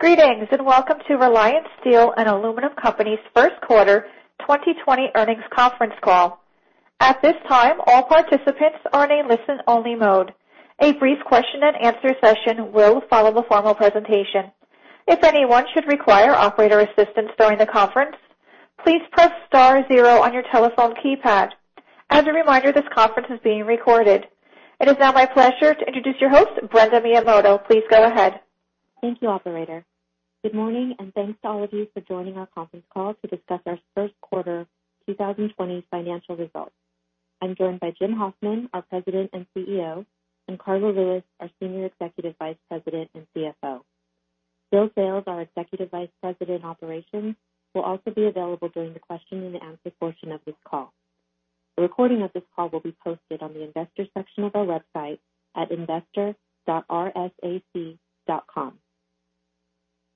Greetings, welcome to Reliance Steel & Aluminum Co.'s first quarter 2020 earnings conference call. At this time, all participants are in a listen-only mode. A brief question and answer session will follow the formal presentation. If anyone should require operator assistance during the conference, please press star zero on your telephone keypad. As a reminder, this conference is being recorded. It is now my pleasure to introduce your host, Brenda Miyamoto. Please go ahead. Thank you, operator. Good morning, and thanks to all of you for joining our conference call to discuss our first quarter 2020 financial results. I'm joined by Jim Hoffman, our President and CEO, and Karla Lewis, our Senior Executive Vice President and CFO. Bill Sales, our Executive Vice President Operations, will also be available during the question and answer portion of this call. A recording of this call will be posted on the investor section of our website at investor.reliance.com.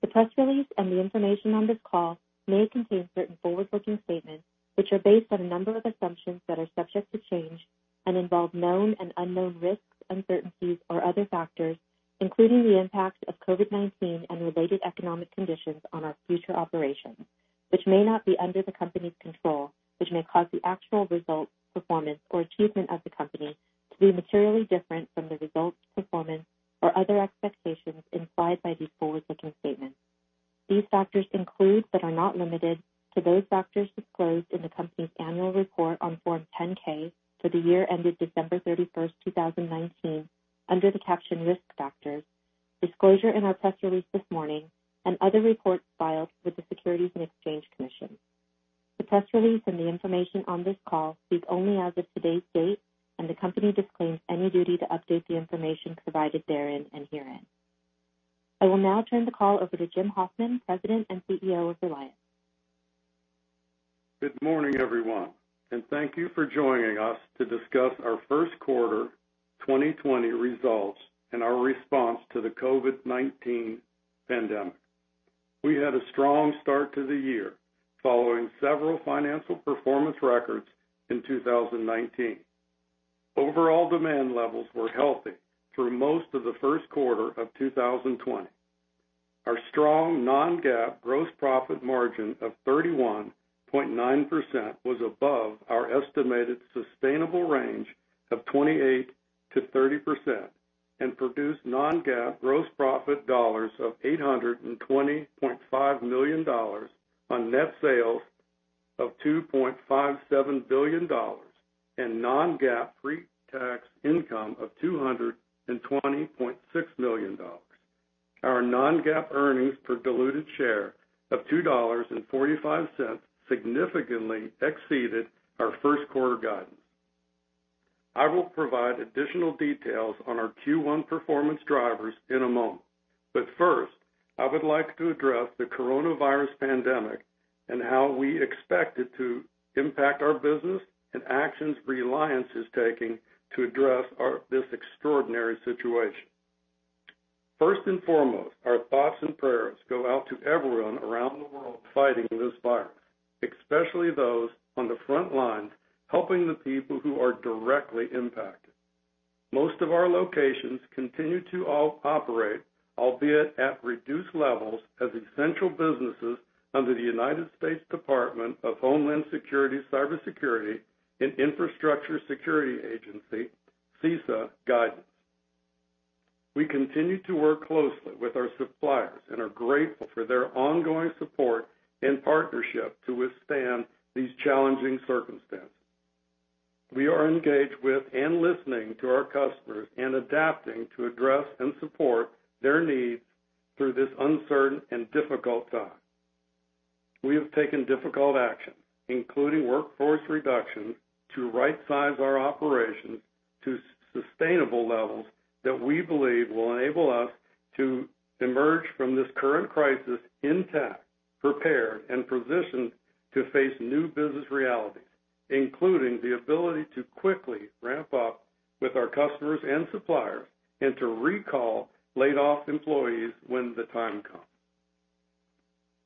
The press release and the information on this call may contain certain forward-looking statements, which are based on a number of assumptions that are subject to change and involve known and unknown risks, uncertainties, or other factors, including the impact of COVID-19 and related economic conditions on our future operations, which may not be under the company's control, which may cause the actual results, performance, or achievement of the company to be materially different from the results, performance, or other expectations implied by these forward-looking statements. These factors include, but are not limited to those factors disclosed in the company's annual report on Form 10-K for the year ended December 31st, 2019 under the caption Risk Factors, disclosure in our press release this morning, and other reports filed with the Securities and Exchange Commission. The press release and the information on this call speak only as of today's date, and the company disclaims any duty to update the information provided therein and herein. I will now turn the call over to Jim Hoffman, President and CEO of Reliance. Good morning, everyone, and thank you for joining us to discuss our first quarter 2020 results and our response to the COVID-19 pandemic. We had a strong start to the year following several financial performance records in 2019. Overall demand levels were healthy through most of the first quarter of 2020. Our strong non-GAAP gross profit margin of 31.9% was above our estimated sustainable range of 28%-30% and produced non-GAAP gross profit dollars of $820.5 million on net sales of $2.57 billion and non-GAAP pre-tax income of $220.6 million. Our non-GAAP earnings per diluted share of $2.45 significantly exceeded our first-quarter guidance. I will provide additional details on our Q1 performance drivers in a moment, but first, I would like to address the coronavirus pandemic and how we expect it to impact our business and actions Reliance is taking to address this extraordinary situation. First and foremost, our thoughts and prayers go out to everyone around the world fighting this virus, especially those on the front lines helping the people who are directly impacted. Most of our locations continue to operate, albeit at reduced levels, as essential businesses under the United States Department of Homeland Security, Cybersecurity and Infrastructure Security Agency, CISA, guidance. We continue to work closely with our suppliers and are grateful for their ongoing support and partnership to withstand these challenging circumstances. We are engaged with and listening to our customers and adapting to address and support their needs through this uncertain and difficult time. We have taken difficult action, including workforce reductions, to rightsize our operations to sustainable levels that we believe will enable us to emerge from this current crisis intact, prepared, and positioned to face new business realities, including the ability to quickly ramp up with our customers and suppliers and to recall laid-off employees when the time comes.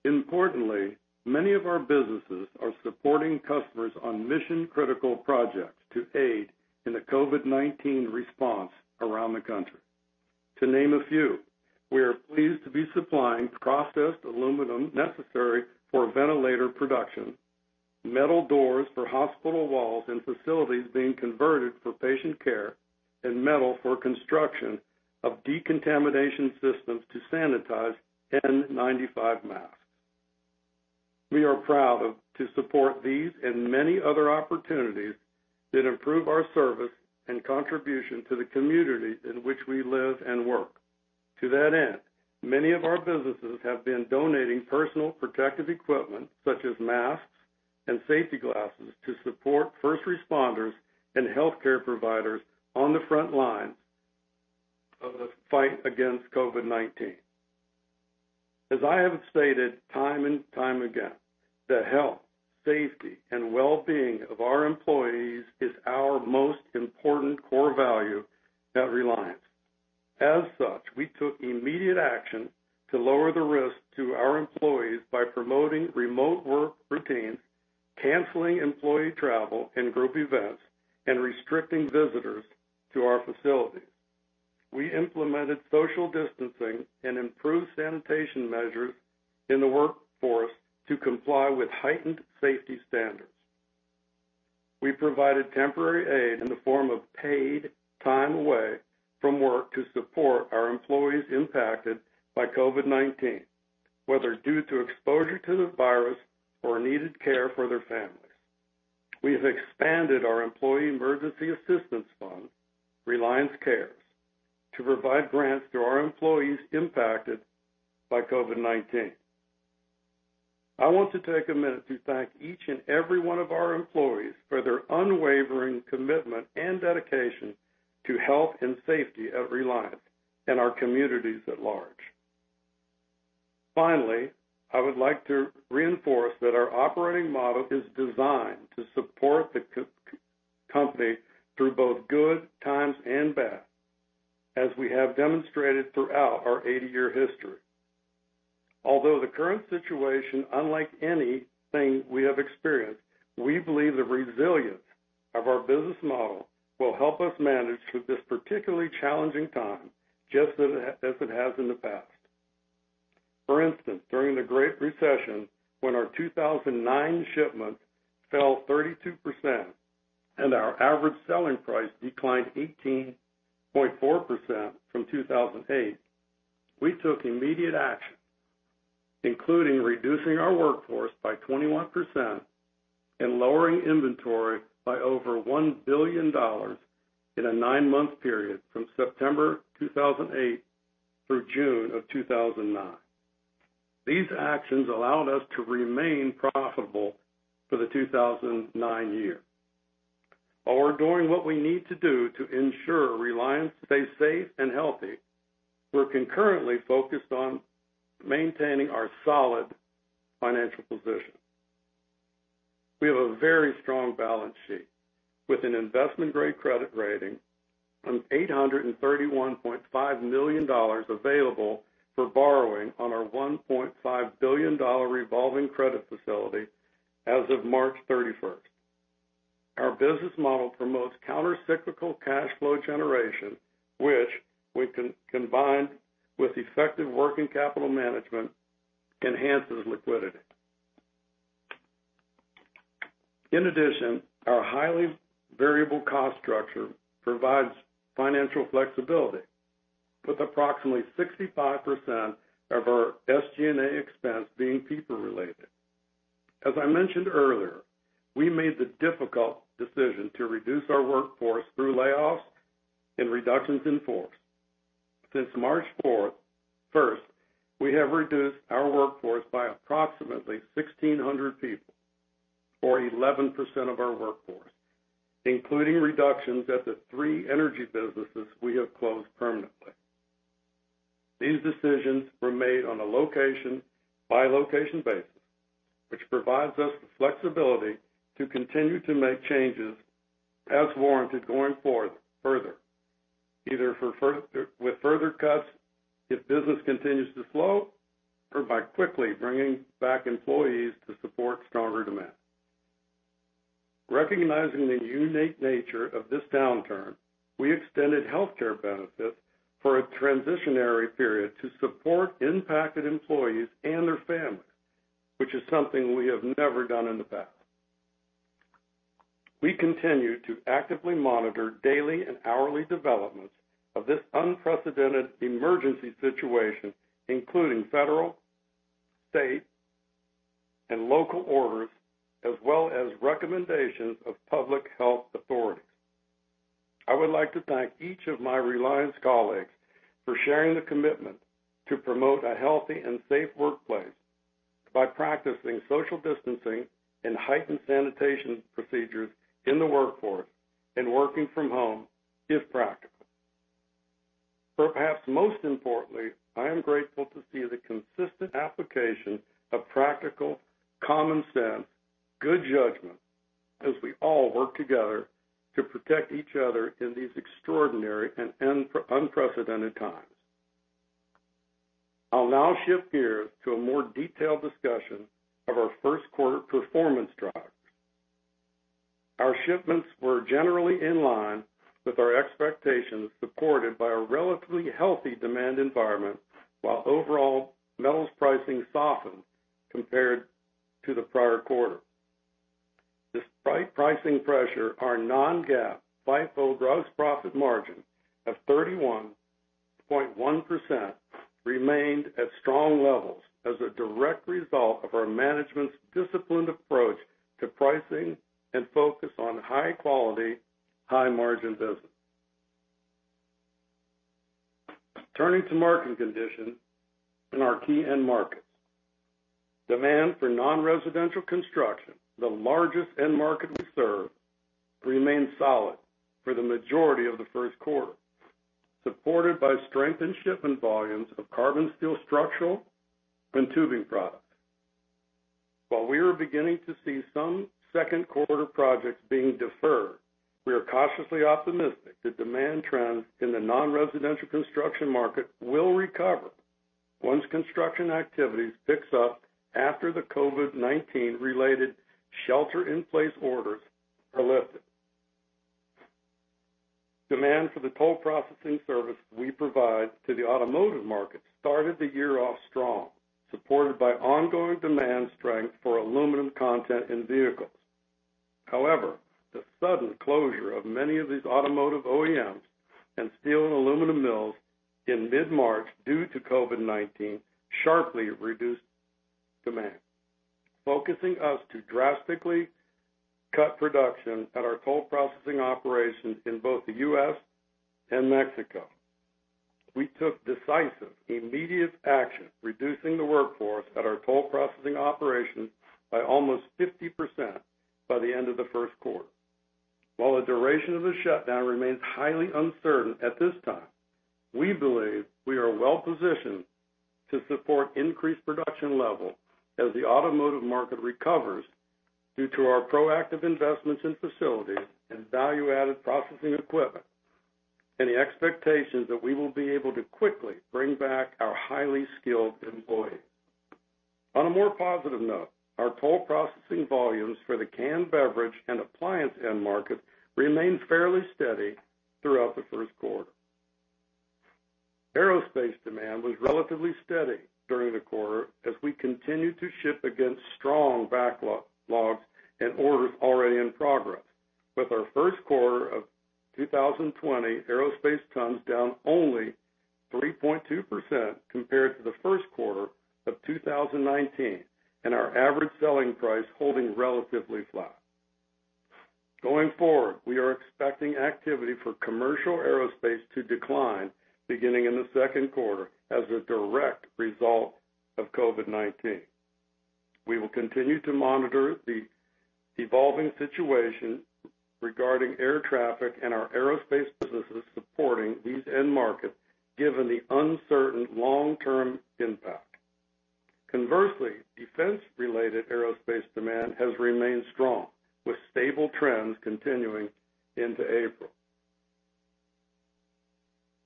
Importantly, many of our businesses are supporting customers on mission-critical projects to aid in the COVID-19 response around the country. To name a few, we are pleased to be supplying processed aluminum necessary for ventilator production, metal doors for hospital walls in facilities being converted for patient care, and metal for construction of decontamination systems to sanitize N95 masks. We are proud to support these and many other opportunities that improve our service and contribution to the communities in which we live and work. To that end, many of our businesses have been donating personal protective equipment such as masks and safety glasses to support first responders and healthcare providers on the front lines of the fight against COVID-19. As I have stated time and time again, the health, safety, and well-being of our employees is our most important core value at Reliance. As such, we took immediate action to lower the risk to our employees by promoting remote work routines, canceling employee travel and group events, and restricting visitors to our facilities. We implemented social distancing and improved sanitation measures in the workforce to comply with heightened safety standards. We provided temporary aid in the form of paid time away from work to support our employees impacted by COVID-19, whether due to exposure to the virus or needed care for their families. We have expanded our employee emergency assistance fund, Reliance Cares, to provide grants to our employees impacted by COVID-19. I want to take a minute to thank each and every one of our employees for their unwavering commitment and dedication to health and safety at Reliance and our communities at large. Finally, I would like to reinforce that our operating model is designed to support the company through both good times and bad, as we have demonstrated throughout our 80-year history. Although the current situation, unlike anything we have experienced, we believe the resilience of our business model will help us manage through this particularly challenging time, just as it has in the past. For instance, during the Great Recession, when our 2009 shipments fell 32% and our average selling price declined 18.4% from 2008, we took immediate action, including reducing our workforce by 21% and lowering inventory by over $1 billion in a nine-month period from September 2008 through June of 2009. These actions allowed us to remain profitable for the 2009 year. While we're doing what we need to do to ensure Reliance stays safe and healthy, we're concurrently focused on maintaining our solid financial position. We have a very strong balance sheet with an investment-grade credit rating and $831.5 million available for borrowing on our $1.5 billion revolving credit facility as of March 31st. Our business model promotes counter-cyclical cash flow generation, which, when combined with effective working capital management, enhances liquidity. In addition, our highly variable cost structure provides financial flexibility, with approximately 65% of our SG&A expense being people-related. As I mentioned earlier, we made the difficult decision to reduce our workforce through layoffs and reductions in force. Since March 1st, we have reduced our workforce by approximately 1,600 people, or 11% of our workforce, including reductions at the three energy businesses we have closed permanently. These decisions were made on a location-by-location basis, which provides us the flexibility to continue to make changes as warranted going further, either with further cuts if business continues to slow or by quickly bringing back employees to support stronger demand. Recognizing the unique nature of this downturn, we extended healthcare benefits for a transitionary period to support impacted employees and their families, which is something we have never done in the past. We continue to actively monitor daily and hourly developments of this unprecedented emergency situation, including federal, state, and local orders, as well as recommendations of public health authorities. I would like to thank each of my Reliance colleagues for sharing the commitment to promote a healthy and safe workplace by practicing social distancing and heightened sanitation procedures in the workforce and working from home if practical. Perhaps most importantly, I am grateful to see the consistent application of practical, common sense, good judgment as we all work together to protect each other in these extraordinary and unprecedented times. I'll now shift gears to a more detailed discussion of our first quarter performance drivers. Our shipments were generally in line with our expectations, supported by a relatively healthy demand environment, while overall metals pricing softened compared to the prior quarter. Despite pricing pressure, our non-GAAP, FIFO gross profit margin of 31.1% remained at strong levels as a direct result of our management's disciplined approach to pricing and focus on high-quality, high-margin business. Turning to market conditions in our key end markets. Demand for non-residential construction, the largest end market we serve, remained solid for the majority of the first quarter, supported by strength in shipment volumes of carbon steel structural and tubing products. While we are beginning to see some second quarter projects being deferred, we are cautiously optimistic that demand trends in the non-residential construction market will recover once construction activities pick up after the COVID-19 related shelter-in-place orders are lifted. Demand for the toll processing service we provide to the automotive market started the year off strong, supported by ongoing demand strength for aluminum content in vehicles. However, the sudden closure of many of these automotive OEMs and steel and aluminum mills in mid-March due to COVID-19 sharply reduced demand, forcing us to drastically cut production at our toll processing operations in both the U.S. and Mexico. We took decisive, immediate action, reducing the workforce at our toll processing operations by almost 50% by the end of the first quarter. While the duration of the shutdown remains highly uncertain at this time, we believe we are well-positioned to support increased production level as the automotive market recovers due to our proactive investments in facilities and value-added processing equipment, and the expectations that we will be able to quickly bring back our highly skilled employees. On a more positive note, our toll processing volumes for the canned beverage and appliance end market remained fairly steady throughout the first quarter. Aerospace demand was relatively steady during the quarter as we continued to ship against strong backlogs and orders already in progress, with our first quarter of 2020 aerospace tons down only 3.2% compared to the first quarter of 2019, and our average selling price holding relatively flat. Going forward, we are expecting activity for commercial aerospace to decline beginning in the second quarter as a direct result of COVID-19. We will continue to monitor the evolving situation regarding air traffic and our aerospace businesses supporting these end markets, given the uncertain long-term impact. Conversely, defense-related aerospace demand has remained strong, with stable trends continuing into April.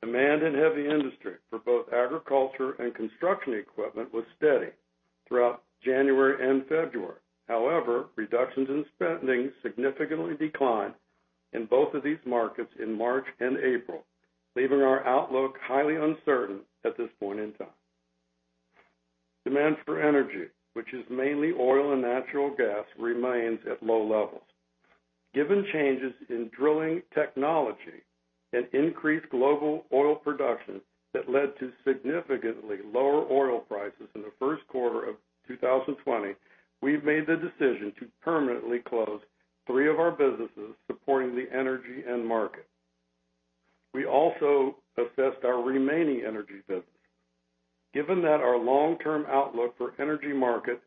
Demand in heavy industry for both agriculture and construction equipment was steady throughout January and February. However, reductions in spending significantly declined in both of these markets in March and April, leaving our outlook highly uncertain at this point in time. Demand for energy, which is mainly oil and natural gas, remains at low levels. Given changes in drilling technology and increased global oil production that led to significantly lower oil prices in the first quarter of 2020, we've made the decision to permanently close three of our businesses supporting the energy end market. We also assessed our remaining energy business. Given that our long-term outlook for energy market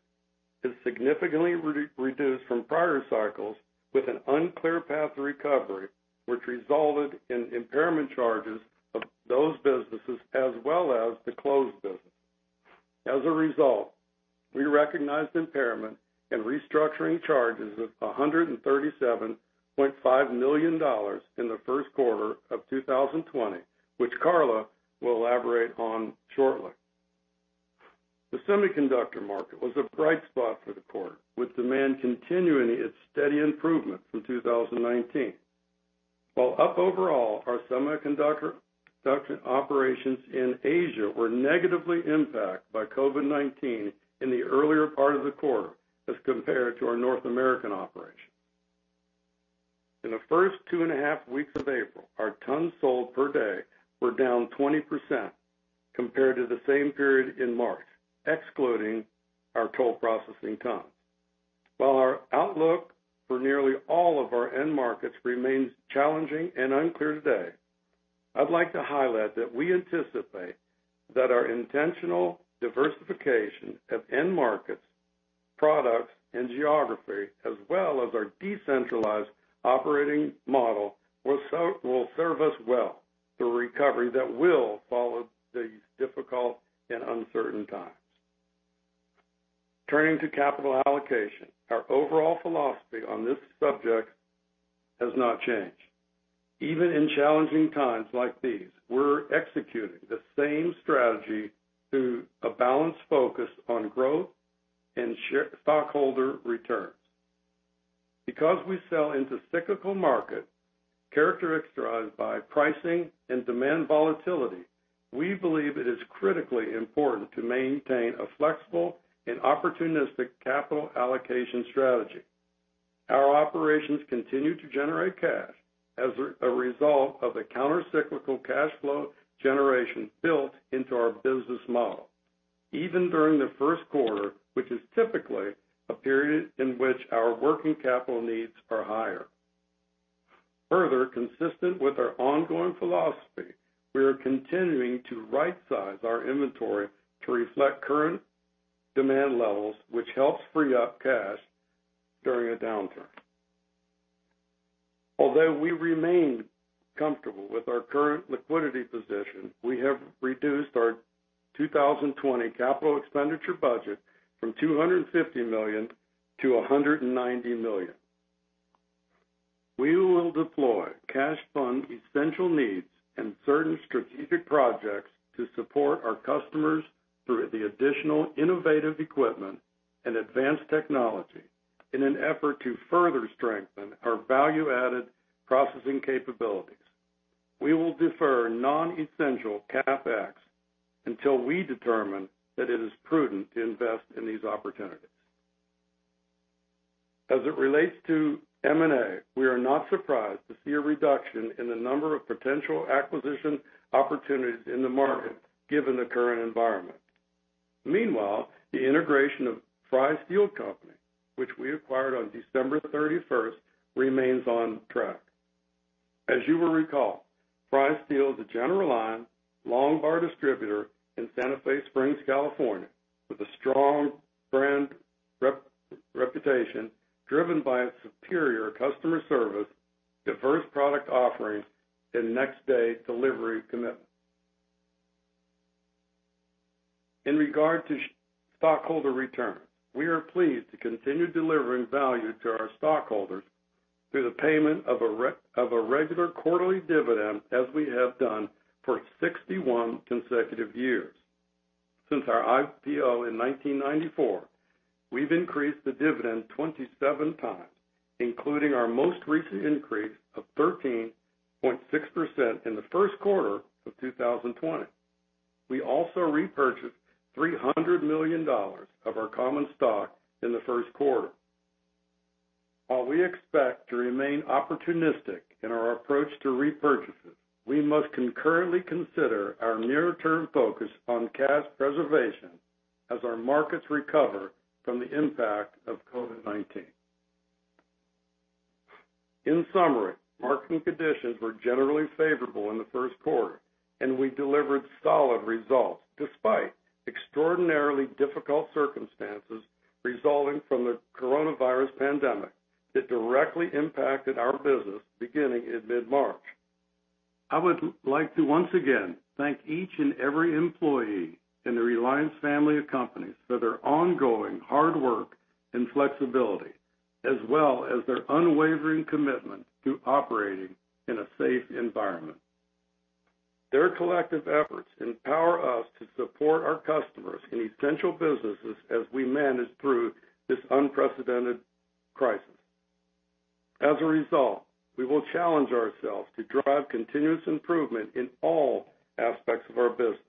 is significantly reduced from prior cycles with an unclear path to recovery, which resulted in impairment charges of those businesses as well as the closed business. As a result, we recognized impairment and restructuring charges of $137.5 million in the first quarter of 2020, which Karla will elaborate on shortly. The semiconductor market was a bright spot for the quarter, with demand continuing its steady improvement from 2019. While up overall, our semiconductor production operations in Asia were negatively impacted by COVID-19 in the earlier part of the quarter as compared to our North American operation. In the first two and a half weeks of April, our tons sold per day were down 20% compared to the same period in March, excluding our toll processing tons. While our outlook for nearly all of our end markets remains challenging and unclear today, I'd like to highlight that we anticipate that our intentional diversification of end markets, products, and geography, as well as our decentralized operating model, will serve us well, the recovery that will follow these difficult and uncertain times. Turning to capital allocation, our overall philosophy on this subject has not changed. Even in challenging times like these, we're executing the same strategy to a balanced focus on growth and stockholder returns. Because we sell into cyclical market characterized by pricing and demand volatility, we believe it is critically important to maintain a flexible and opportunistic capital allocation strategy. Our operations continue to generate cash as a result of the counter-cyclical cash flow generation built into our business model, even during the first quarter, which is typically a period in which our working capital needs are higher. Further, consistent with our ongoing philosophy, we are continuing to rightsize our inventory to reflect current demand levels, which helps free up cash during a downturn. Although we remain comfortable with our current liquidity position, we have reduced our 2020 capital expenditure budget from $250 million to $190 million. We will deploy cash to fund essential needs and certain strategic projects to support our customers through the additional innovative equipment and advanced technology in an effort to further strengthen our value-added processing capabilities. We will defer non-essential CapEx until we determine that it is prudent to invest in these opportunities. As it relates to M&A, we are not surprised to see a reduction in the number of potential acquisition opportunities in the market, given the current environment. Meanwhile, the integration of Fry Steel Company, which we acquired on December 31st, remains on track. As you will recall, Fry Steel is a general line, long bar distributor in Santa Fe Springs, California, with a strong brand reputation driven by its superior customer service, diverse product offerings, and next-day delivery commitment. In regard to stockholder return, we are pleased to continue delivering value to our stockholders through the payment of a regular quarterly dividend as we have done for 61 consecutive years. Since our IPO in 1994, we've increased the dividend 27 times, including our most recent increase of 13.6% in the first quarter of 2020. We also repurchased $300 million of our common stock in the first quarter. While we expect to remain opportunistic in our approach to repurchases, we must concurrently consider our near-term focus on cash preservation as our markets recover from the impact of COVID-19. In summary, marketing conditions were generally favorable in the first quarter, and we delivered solid results despite extraordinarily difficult circumstances resulting from the coronavirus pandemic that directly impacted our business beginning in mid-March. I would like to once again thank each and every employee in the Reliance family of companies for their ongoing hard work and flexibility, as well as their unwavering commitment to operating in a safe environment. Their collective efforts empower us to support our customers in essential businesses as we manage through this unprecedented crisis. As a result, we will challenge ourselves to drive continuous improvement in all aspects of our business.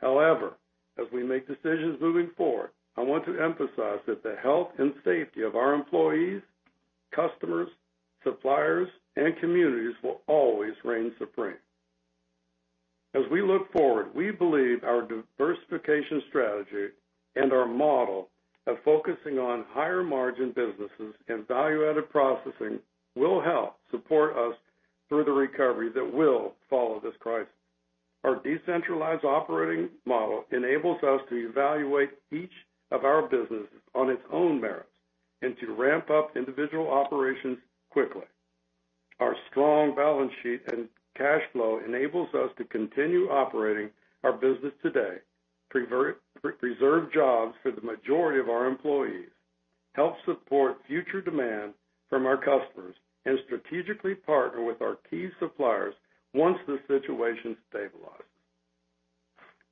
However, as we make decisions moving forward, I want to emphasize that the health and safety of our employees, customers, suppliers, and communities will always reign supreme. As we look forward, we believe our diversification strategy and our model of focusing on higher-margin businesses and value-added processing will help support us through the recovery that will follow this crisis. Our decentralized operating model enables us to evaluate each of our businesses on its own merits and to ramp up individual operations quickly. Our strong balance sheet and cash flow enables us to continue operating our business today, reserve jobs for the majority of our employees, help support future demand from our customers, and strategically partner with our key suppliers once the situation stabilizes.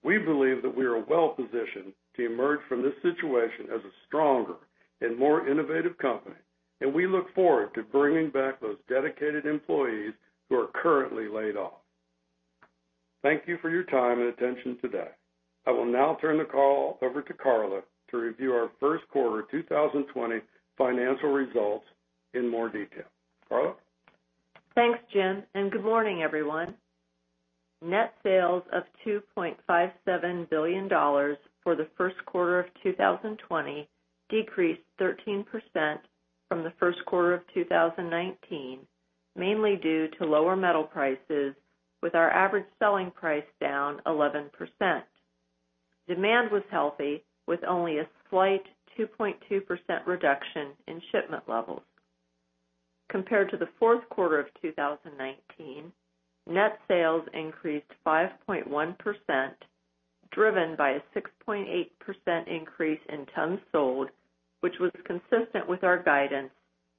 We believe that we are well-positioned to emerge from this situation as a stronger and more innovative company, we look forward to bringing back those dedicated employees who are currently laid off. Thank you for your time and attention today. I will now turn the call over to Karla to review our first quarter 2020 financial results in more detail. Karla? Thanks, Jim, and good morning, everyone. Net sales of $2.57 billion for the first quarter of 2020 decreased 13% from the first quarter of 2019, mainly due to lower metal prices with our average selling price down 11%. Demand was healthy with only a slight 2.2% reduction in shipment levels. Compared to the fourth quarter of 2019, net sales increased 5.1%, driven by a 6.8% increase in tons sold, which was consistent with our guidance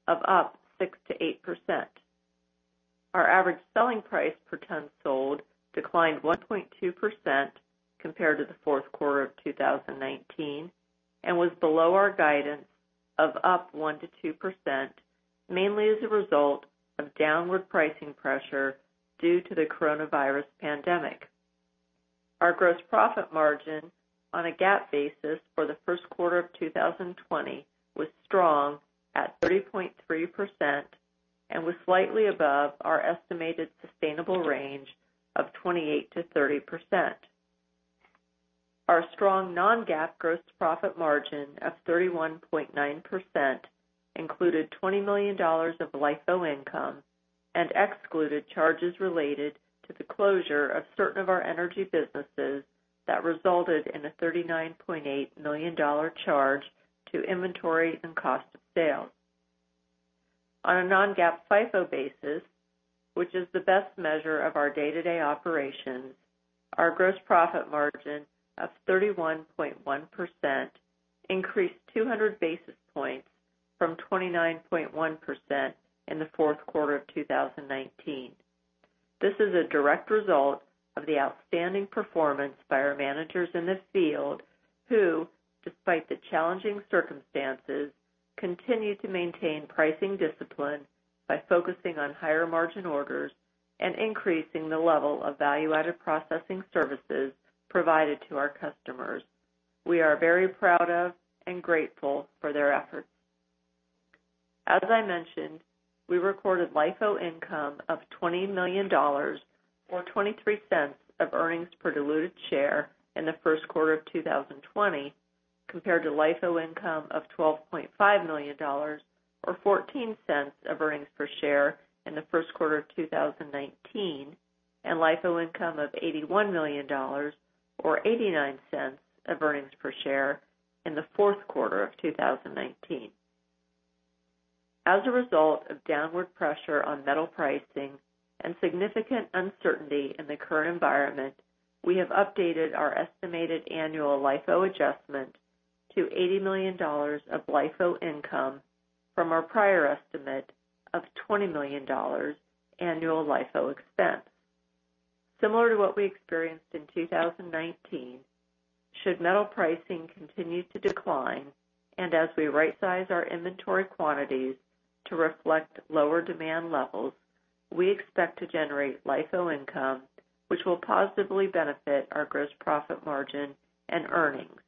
of up 6%-8%. Our average selling price per ton sold declined 1.2% compared to the fourth quarter of 2019 and was below our guidance of up 1%-2%, mainly as a result of downward pricing pressure due to the coronavirus pandemic. Our gross profit margin on a GAAP basis for the first quarter of 2020 was strong at 30.3% and was slightly above our estimated sustainable range of 28%-30%. Our strong non-GAAP gross profit margin of 31.9% included $20 million of LIFO income and excluded charges related to the closure of certain of our energy businesses that resulted in a $39.8 million charge to inventory and cost of sale. On a non-GAAP FIFO basis, which is the best measure of our day-to-day operations, our gross profit margin of 31.1% increased 200 basis points from 29.1% in the fourth quarter of 2019. This is a direct result of the outstanding performance by our managers in the field who, despite the challenging circumstances, continued to maintain pricing discipline by focusing on higher margin orders and increasing the level of value-added processing services provided to our customers. We are very proud of and grateful for their efforts. As I mentioned, we recorded LIFO income of $20 million or $0.23 of earnings per diluted share in the first quarter of 2020, compared to LIFO income of $12.5 million or $0.14 of earnings per share in the first quarter of 2019, and LIFO income of $81 million or $0.89 of earnings per share in the fourth quarter of 2019. As a result of downward pressure on metal pricing and significant uncertainty in the current environment, we have updated our estimated annual LIFO adjustment to $80 million of LIFO income from our prior estimate of $20 million annual LIFO expense. Similar to what we experienced in 2019, should metal pricing continue to decline and as we rightsize our inventory quantities to reflect lower demand levels, we expect to generate LIFO income, which will positively benefit our gross profit margin and earnings.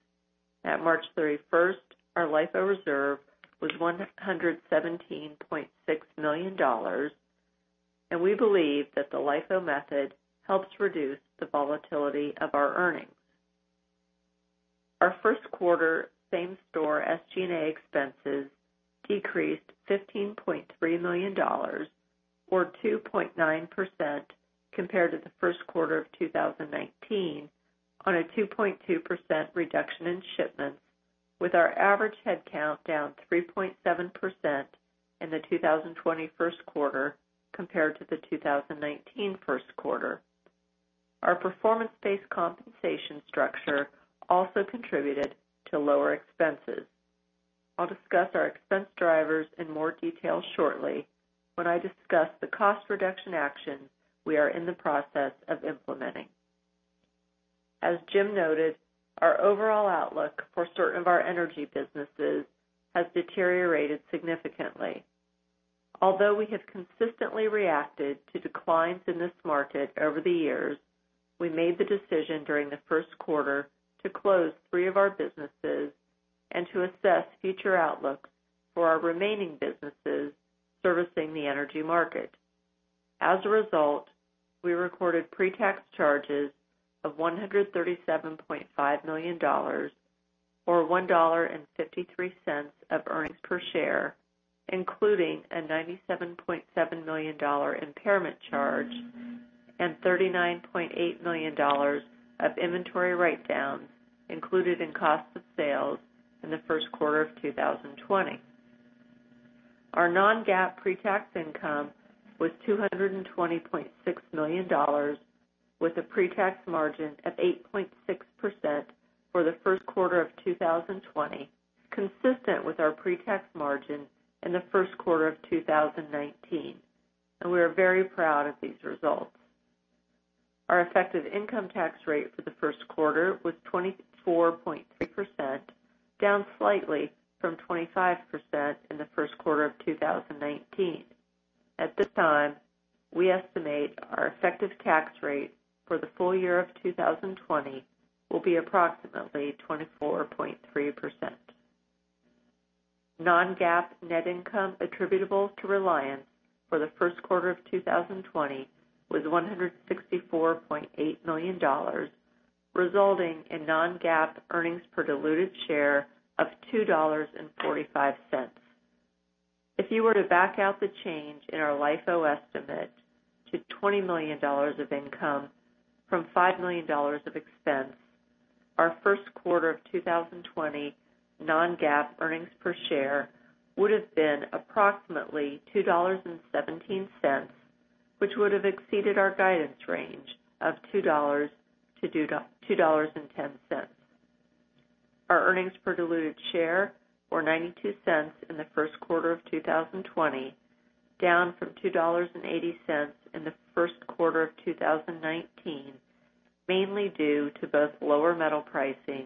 At March 31st, our LIFO reserve was $117.6 million, and we believe that the LIFO method helps reduce the volatility of our earnings. Our first quarter same-store SG&A expenses decreased $15.3 million or 2.9% compared to the first quarter of 2019 on a 2.2% reduction in shipments, with our average headcount down 3.7% in the 2020 first quarter compared to the 2019 first quarter. Our performance-based compensation structure also contributed to lower expenses. I'll discuss our expense drivers in more detail shortly when I discuss the cost reduction action we are in the process of implementing. As Jim noted, our overall outlook for certain of our energy businesses has deteriorated significantly. Although we have consistently reacted to declines in this market over the years, we made the decision during the first quarter to close three of our businesses and to assess future outlooks for our remaining businesses servicing the energy market. As a result, we recorded pre-tax charges of $137.5 million, or $1.53 of earnings per share, including a $97.7 million impairment charge and $39.8 million of inventory write-downs included in cost of sales in the first quarter of 2020. Our non-GAAP pre-tax income was $220.6 million, with a pre-tax margin of 8.6% for the first quarter of 2020, consistent with our pre-tax margin in the first quarter of 2019, and we are very proud of these results. Our effective income tax rate for the first quarter was 24.3%, down slightly from 25% in the first quarter of 2019. At this time, we estimate our effective tax rate for the full year of 2020 will be approximately 24.3%. Non-GAAP net income attributable to Reliance for the first quarter of 2020 was $164.8 million, resulting in non-GAAP earnings per diluted share of $2.45. If you were to back out the change in our LIFO estimate to $20 million of income from $5 million of expense, our first quarter of 2020 non-GAAP earnings per share would've been approximately $2.17, which would have exceeded our guidance range of $2-$2.10. Our earnings per diluted share were $0.92 in the first quarter of 2020, down from $2.80 in the first quarter of 2019, mainly due to both lower metal pricing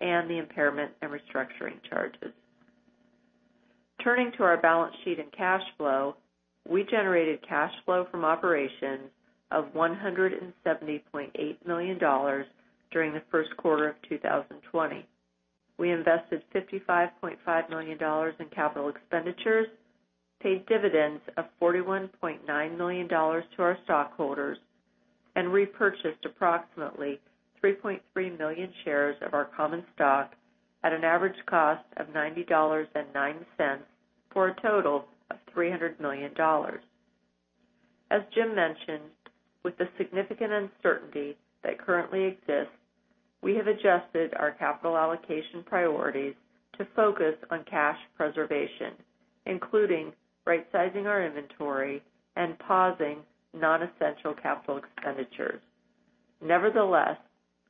and the impairment and restructuring charges. Turning to our balance sheet and cash flow, we generated cash flow from operations of $170.8 million during the first quarter of 2020. We invested $55.5 million in capital expenditures, paid dividends of $41.9 million to our stockholders, and repurchased approximately 3.3 million shares of our common stock at an average cost of $90.09, for a total of $300 million. As Jim mentioned, with the significant uncertainty that currently exists, we have adjusted our capital allocation priorities to focus on cash preservation, including rightsizing our inventory and pausing non-essential capital expenditures. Nevertheless,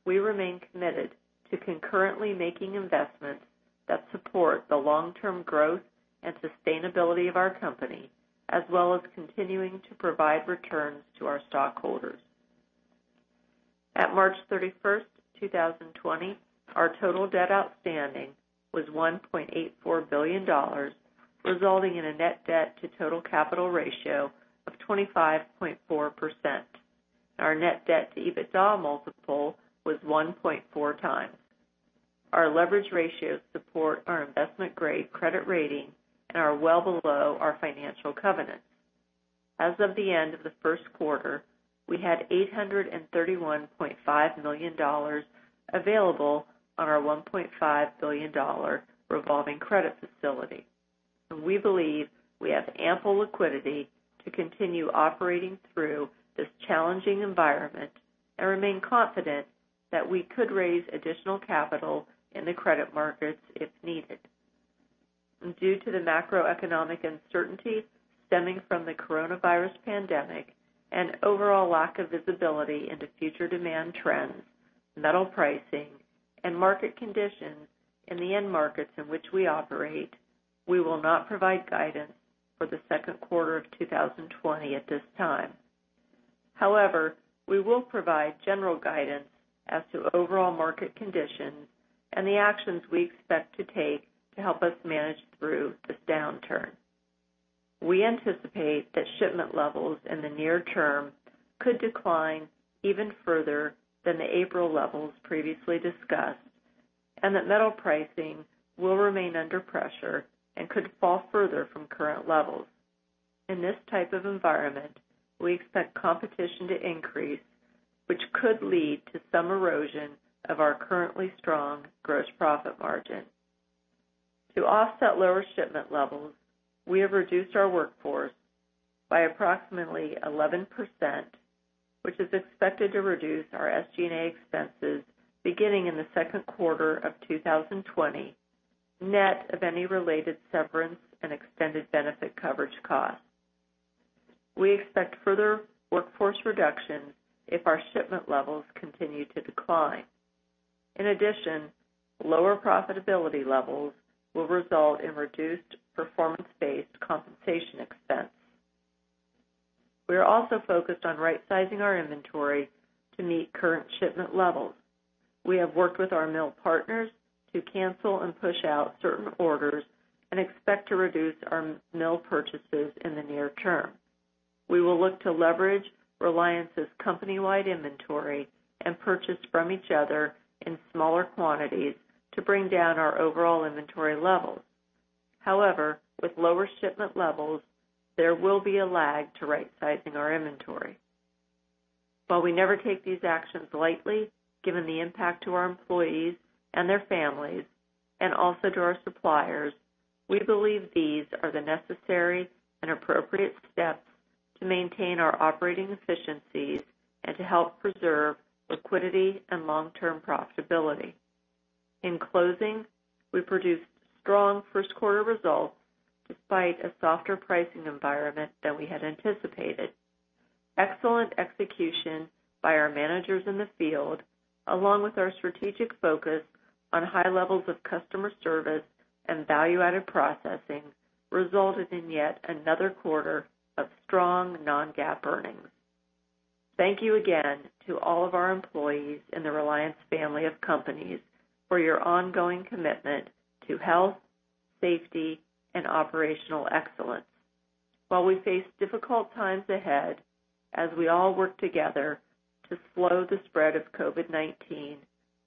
we remain committed to concurrently making investments that support the long-term growth and sustainability of our company, as well as continuing to provide returns to our stockholders. At March 31st, 2020, our total debt outstanding was $1.84 billion, resulting in a net debt to total capital ratio of 25.4%. Our net debt to EBITDA multiple was 1.4x. Our leverage ratios support our investment-grade credit rating and are well below our financial covenants. As of the end of the first quarter, we had $831.5 million available on our $1.5 billion revolving credit facility. We believe we have ample liquidity to continue operating through this challenging environment and remain confident that we could raise additional capital in the credit markets if needed. Due to the macroeconomic uncertainty stemming from the coronavirus pandemic and overall lack of visibility into future demand trends, metal pricing, and market conditions in the end markets in which we operate, we will not provide guidance for the second quarter of 2020 at this time. However, we will provide general guidance as to overall market conditions and the actions we expect to take to help us manage through this downturn. We anticipate that shipment levels in the near term could decline even further than the April levels previously discussed, and that metal pricing will remain under pressure and could fall further from current levels. In this type of environment, we expect competition to increase, which could lead to some erosion of our currently strong gross profit margin. To offset lower shipment levels, we have reduced our workforce by approximately 11%, which is expected to reduce our SG&A expenses beginning in the second quarter of 2020, net of any related severance and extended benefit coverage costs. We expect further workforce reductions if our shipment levels continue to decline. In addition, lower profitability levels will result in reduced performance-based compensation expense. We are also focused on rightsizing our inventory to meet current shipment levels. We have worked with our mill partners to cancel and push out certain orders and expect to reduce our mill purchases in the near term. We will look to leverage Reliance's company-wide inventory and purchase from each other in smaller quantities to bring down our overall inventory levels. However, with lower shipment levels, there will be a lag to rightsizing our inventory. While we never take these actions lightly, given the impact to our employees and their families and also to our suppliers, we believe these are the necessary and appropriate steps to maintain our operating efficiencies and to help preserve liquidity and long-term profitability. In closing, we produced strong first quarter results despite a softer pricing environment than we had anticipated. Excellent execution by our managers in the field, along with our strategic focus on high levels of customer service and value-added processing, resulted in yet another quarter of strong non-GAAP earnings. Thank you again to all of our employees in the Reliance family of companies for your ongoing commitment to health, safety, and operational excellence. While we face difficult times ahead as we all work together to slow the spread of COVID-19,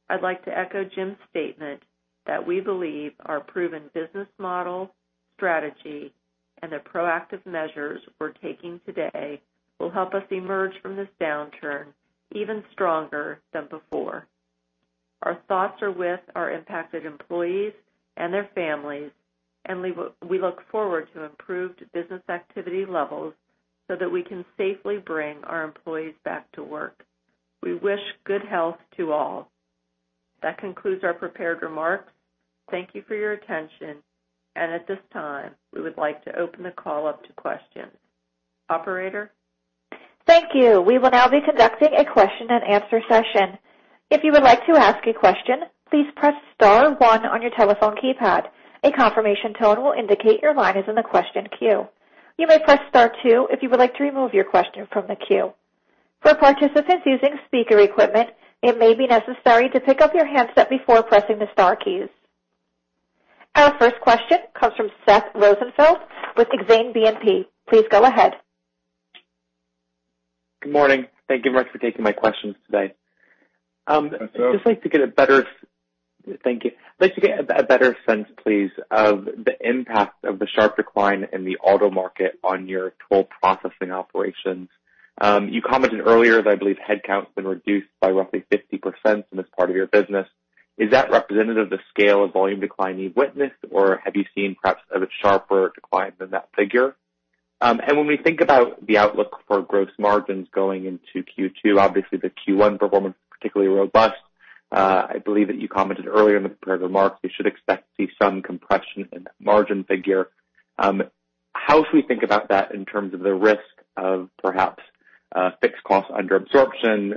I'd like to echo Jim's statement that we believe our proven business model, strategy, and the proactive measures we're taking today will help us emerge from this downturn even stronger than before. Our thoughts are with our impacted employees and their families, and we look forward to improved business activity levels so that we can safely bring our employees back to work. We wish good health to all. That concludes our prepared remarks. Thank you for your attention, and at this time, we would like to open the call up to questions. Operator? Thank you. We will now be conducting a question and answer session. If you would like to ask a question, please press star one on your telephone keypad. A confirmation tone will indicate your line is in the question queue. You may press star two if you would like to remove your question from the queue. For participants using speaker equipment, it may be necessary to pick up your handset before pressing the star keys. Our first question comes from Seth Rosenfeld with Exane BNP. Please go ahead. Good morning. Thank you much for taking my questions today. Hi, Seth. Thank you. I'd just like to get a better sense, please, of the impact of the sharp decline in the auto market on your total processing operations. You commented earlier that I believe headcount's been reduced by roughly 50% in this part of your business. Is that representative of the scale of volume decline you've witnessed, or have you seen perhaps a sharper decline than that figure? When we think about the outlook for gross margins going into Q2, obviously the Q1 performance, particularly robust. I believe that you commented earlier in the prepared remarks, we should expect to see some compression in that margin figure. How should we think about that in terms of the risk of perhaps fixed costs under absorption,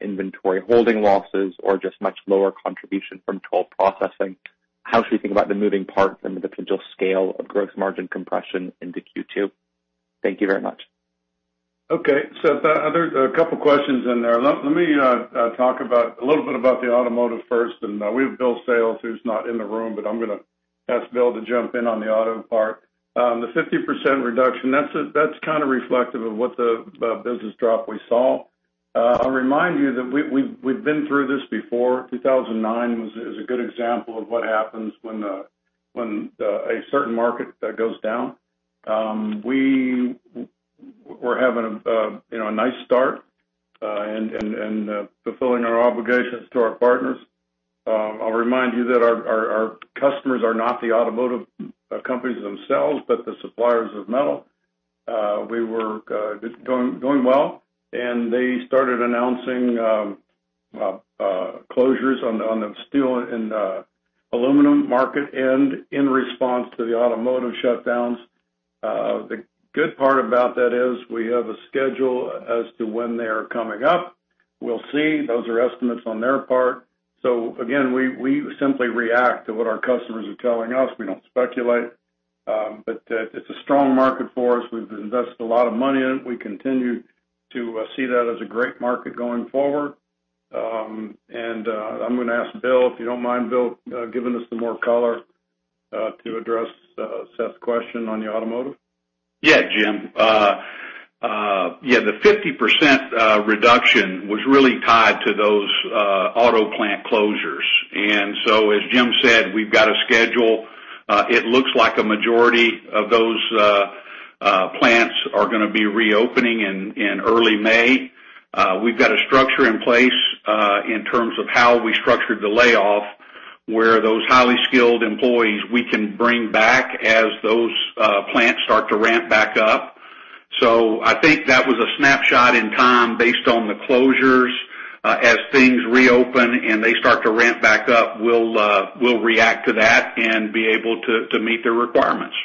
inventory holding losses, or just much lower contribution from toll processing? How should we think about the moving parts and the potential scale of gross margin compression into Q2? Thank you very much. Okay. Seth, there are a couple questions in there. Let me talk a little bit about the automotive first. We have Bill Sales, who's not in the room, but I'm going to ask Bill to jump in on the auto part. The 50% reduction, that's reflective of what the business drop we saw. I'll remind you that we've been through this before. 2009 is a good example of what happens when a certain market goes down. We're having a nice start and fulfilling our obligations to our partners. I'll remind you that our customers are not the automotive companies themselves, but the suppliers of metal. We were doing well, and they started announcing closures on the steel and aluminum market, in response to the automotive shutdowns. The good part about that is we have a schedule as to when they are coming up. We'll see. Those are estimates on their part. Again, we simply react to what our customers are telling us. We don't speculate. It's a strong market for us. We've invested a lot of money in it. We continue to see that as a great market going forward. I'm going to ask Bill, if you don't mind, Bill, giving us some more color to address Seth's question on the automotive. Yeah, Jim. The 50% reduction was really tied to those auto plant closures. As Jim said, we've got a schedule. It looks like a majority of those plants are going to be reopening in early May. We've got a structure in place in terms of how we structured the layoff, where those highly skilled employees we can bring back as those plants start to ramp back up. I think that was a snapshot in time based on the closures. As things reopen and they start to ramp back up, we'll react to that and be able to meet their requirements.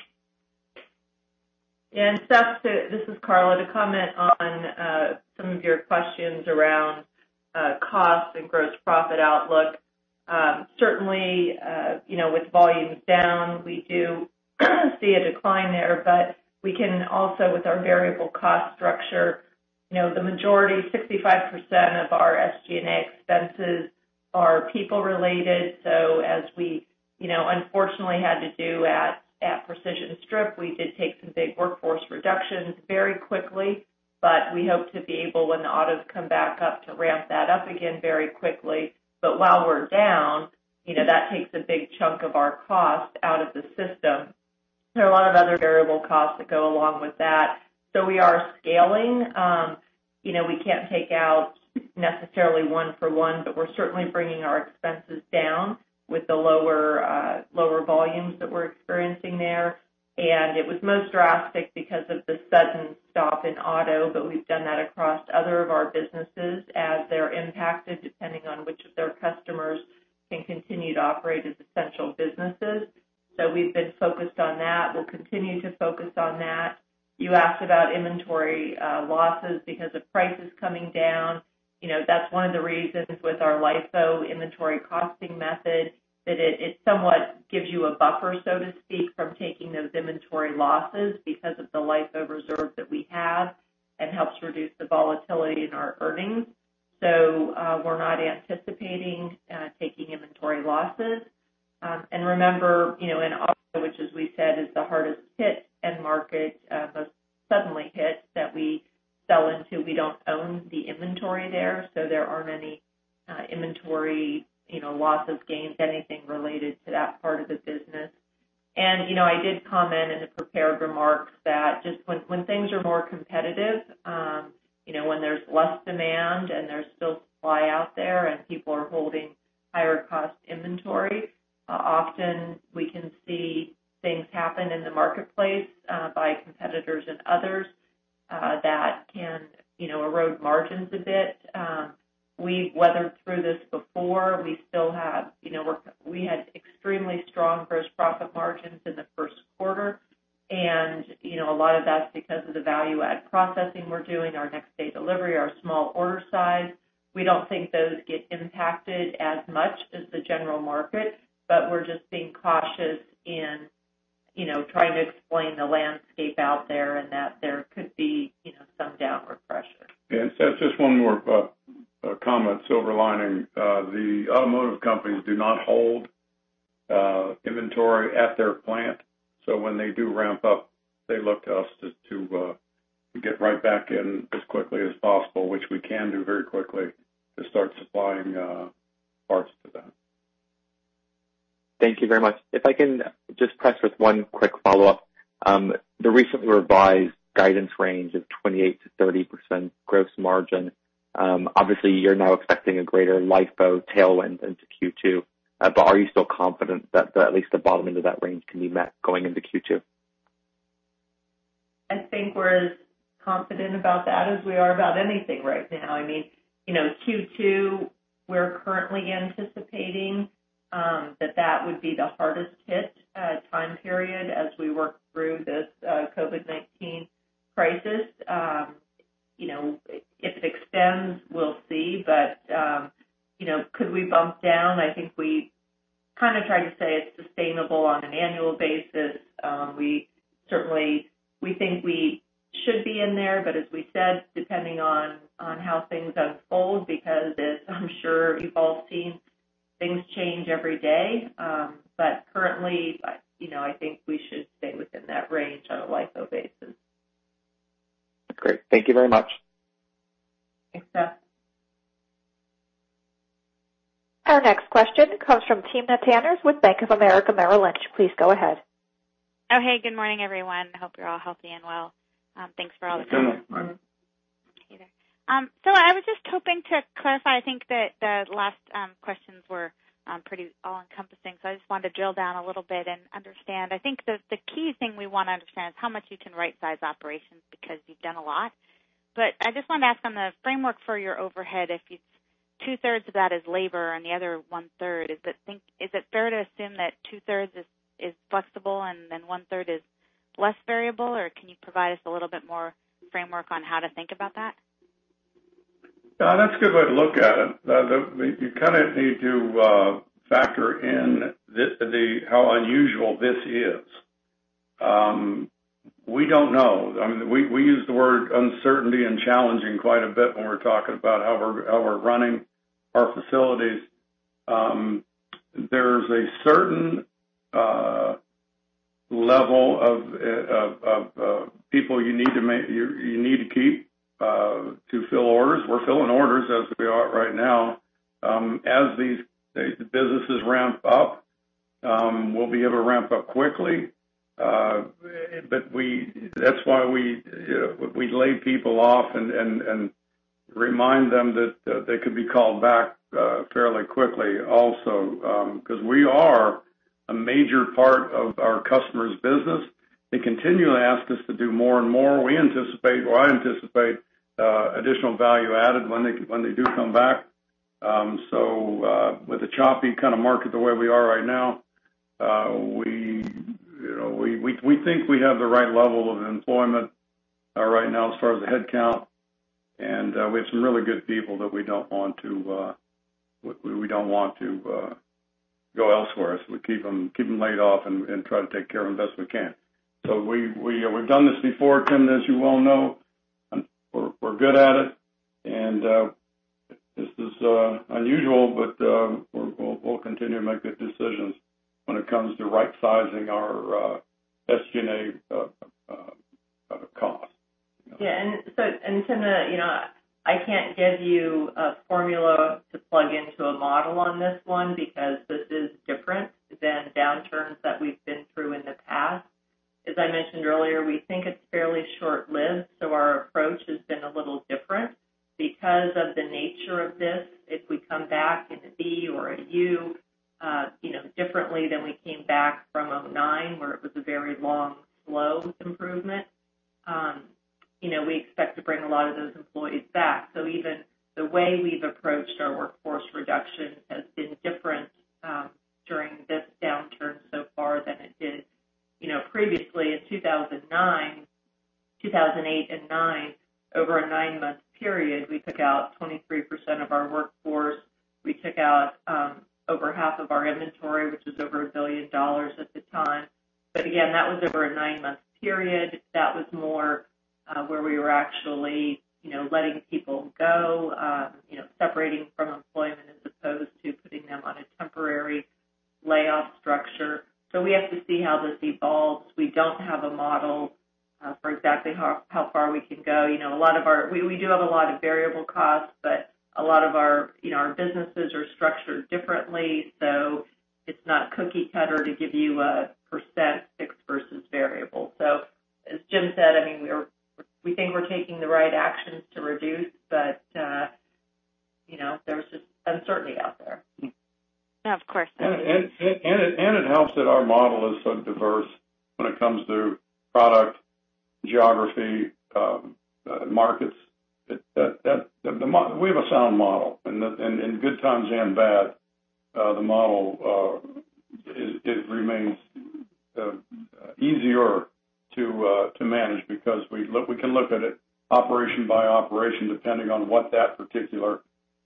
Seth, this is Karla. To comment on some of your questions around costs and gross profit outlook. Certainly, with volumes down, we do see a decline there, but we can also, with our variable cost structure, the majority, 65% of our SG&A expenses are people related. As we unfortunately had to do at Precision Strip, we did take some big workforce reductions very quickly, but we hope to be able, when the autos come back up, to ramp that up again very quickly. While we're down, that takes a big chunk of our cost out of the system. There are a lot of other variable costs that go along with that. We are scaling. We can't take out necessarily one for one, but we're certainly bringing our expenses down with the lower volumes that we're experiencing there. It was most drastic because of the sudden stop in auto, but we've done that across other of our businesses as they're impacted, depending on which of their customers can continue to operate as essential businesses. We've been focused on that. We'll continue to focus on that. You asked about inventory losses because of prices coming down. That's one of the reasons with our LIFO inventory costing method, that it somewhat gives you a buffer, so to speak, from taking those inventory losses because of the LIFO reserve that we have and helps reduce the volatility in our earnings. We're not anticipating taking inventory losses. Remember, in auto, which as we said, is the hardest hit end market, most suddenly hit that we fell into, we don't own the inventory there, so there aren't any inventory losses, gains, anything related to that part of the business. I did comment in the prepared remarks that just when things are more competitive, when there's less demand and there's still supply out there and people are holding higher cost inventory, often we can see things happen in the marketplace by competitors and others that can erode margins a bit. We've weathered through this before. We had extremely strong gross profit margins in the first quarter, a lot of that's because of the value-add processing we're doing, our next day delivery, our small order size. We don't think those get impacted as much as the general market, we're just being cautious in trying to explain the landscape out there and that there could be some downward pressure. Seth, just one more comment, silver lining. The automotive companies do not hold inventory at their plant. When they do ramp up, they look to us to get right back in as quickly as possible, which we can do very quickly to start supplying parts to them. Thank you very much. If I can just press with one quick follow-up. The recently revised guidance range of 28%-30% gross margin. Obviously, you're now expecting a greater LIFO tailwind into Q2. Are you still confident that at least the bottom end of that range can be met going into Q2? I think we're as confident about that as we are about anything right now. Q2, we're currently anticipating that would be the hardest-hit time period as we work through this COVID-19 crisis. If it extends, we'll see. Could we bump down? I think we kind of tried to say it's sustainable on an annual basis. We think we should be in there, but as we said, depending on how things unfold, because as I'm sure you've all seen, things change every day. Currently, I think we should stay within that range on a LIFO basis. Great. Thank you very much. Thanks, Seth. Our next question comes from Timna Tanners with Bank of America Merrill Lynch. Please go ahead. Oh, hey, good morning, everyone. Hope you're all healthy and well. Good. Hey there. I was just hoping to clarify, I think that the last questions were pretty all-encompassing, so I just wanted to drill down a little bit and understand. I think the key thing we want to understand is how much you can rightsize operations, because you've done a lot. I just wanted to ask on the framework for your overhead, if two-thirds of that is labor and the other one-third, is it fair to assume that two-thirds is flexible and then one-third is less variable, or can you provide us a little bit more framework on how to think about that? That's a good way to look at it. You kind of need to factor in how unusual this is. We don't know. We use the word uncertainty and challenging quite a bit when we're talking about how we're running our facilities. There's a certain level of people you need to keep to fill orders. We're filling orders as we are right now. As these businesses ramp up, we'll be able to ramp up quickly. That's why we lay people off and remind them that they could be called back fairly quickly also, because we are a major part of our customers' business. They continually ask us to do more and more. We anticipate, or I anticipate, additional value added when they do come back. With the choppy kind of market the way we are right now, we think we have the right level of employment right now as far as the headcount, and we have some really good people that we don't want to go elsewhere, so we keep them laid off and try to take care of them best we can. We've done this before, Timna, as you well know. We're good at it, and this is unusual, but we'll continue to make good decisions when it comes to rightsizing our SG&A cost. Yeah. Timna, I can't give you a formula to plug into a model on this one because this is different than downturns that we've been through in the past. As I mentioned earlier, we think it's fairly short-lived, so our approach has been a little different because of the nature of this. If we come back in a V or a U, differently than we came back from 2009, where it was a very long, slow improvement, we expect to bring a lot of those employees back. Even the way we've approached our workforce reduction has been different during this downturn so far than it did previously in 2009. 2008 and 2009, over a nine-month period, we took out 23% of our workforce. We took out over half of our inventory, which was over $1 billion at the time. Again, that was over a nine-month period. That was more where we were actually letting people go, separating from employment as opposed to putting them on a temporary layoff structure. We have to see how this evolves. We don't have a model for exactly how far we can go. We do have a lot of variable costs, but a lot of our businesses are structured differently, so it's not cookie-cutter to give you a percent fixed versus variable. As Jim said, we think we're taking the right actions to reduce, but there's just uncertainty out there. Of course. It helps that our model is so diverse when it comes to product, geography, markets. We have a sound model. In good times and bad, the model remains easier to manage because we can look at it operation by operation, depending on what that particular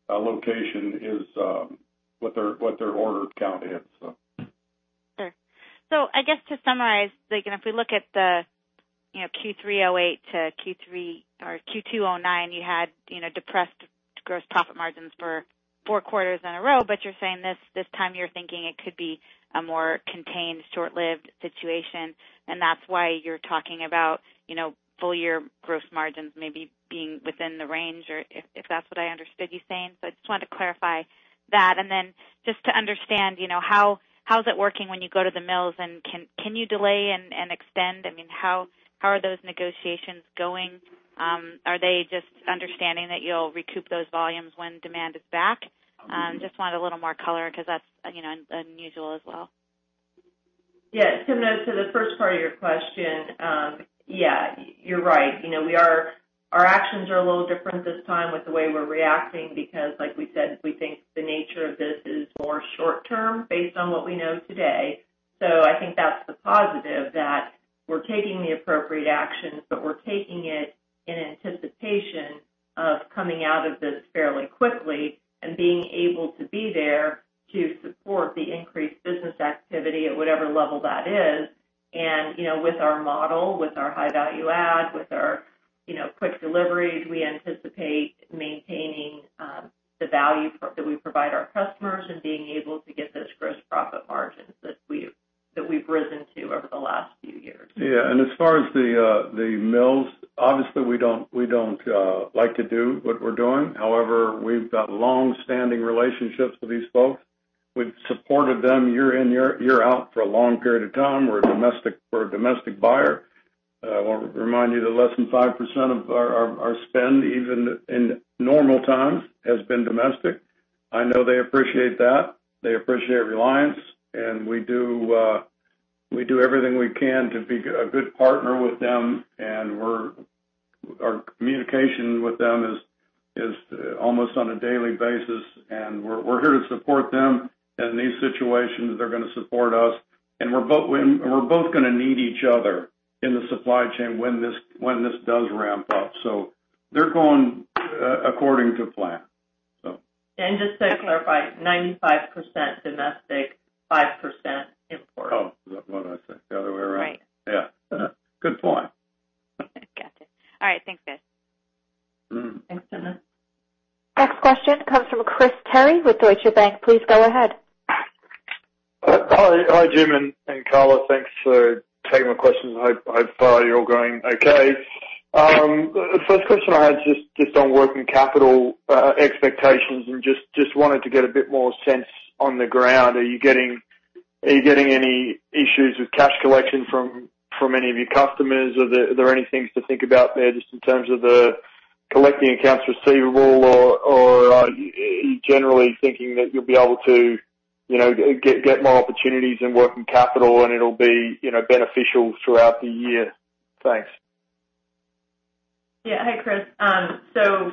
location is, what their order count is. Sure. I guess to summarize, if we look at the Q3 2008 to Q2 2009, you had depressed gross profit margins for four quarters in a row. You're saying this time you're thinking it could be a more contained, short-lived situation, and that's why you're talking about full-year gross margins maybe being within the range, or if that's what I understood you saying. I just wanted to clarify that. Just to understand, how's it working when you go to the mills, and can you delay and extend? How are those negotiations going? Are they just understanding that you'll recoup those volumes when demand is back? Just wanted a little more color because that's unusual as well. To the first part of your question, you're right. Our actions are a little different this time with the way we're reacting because, like we said, we think the nature of this is more short-term based on what we know today. I think that's the positive, that we're taking the appropriate actions, but we're taking it in anticipation of coming out of this fairly quickly and being able to be there to support the increased business activity at whatever level that is. With our model, with our high-value add, with our quick deliveries, we anticipate maintaining the value that we provide our customers and being able to get those gross profit margins that we've risen to over the last few years. Yeah. As far as the mills, obviously, we don't like to do what we're doing. However, we've got longstanding relationships with these folks. We've supported them year in, year out for a long period of time. We're a domestic buyer. I want to remind you that less than 5% of our spend, even in normal times, has been domestic. I know they appreciate that. They appreciate Reliance, and we do everything we can to be a good partner with them, and our communication with them is almost on a daily basis, and we're here to support them in these situations. They're going to support us, and we're both going to need each other in the supply chain when this does ramp up. They're going according to plan. Just to clarify, 95% domestic, 5% import. Oh, what did I say? The other way around. Right. Yeah. Good point. Gotcha. All right, thanks, guys. Mm-hmm. Thanks, Timna. Next question comes from Chris Terry with Deutsche Bank. Please go ahead. Hi, Jim and Karla. Thanks for taking my questions, and hope you're all doing okay. The first question I had, just on working capital expectations and just wanted to get a bit more sense on the ground. Are you getting any issues with cash collection from any of your customers? Are there any things to think about there just in terms of the collecting accounts receivable, or are you generally thinking that you'll be able to get more opportunities in working capital and it'll be beneficial throughout the year? Thanks. Hi, Chris.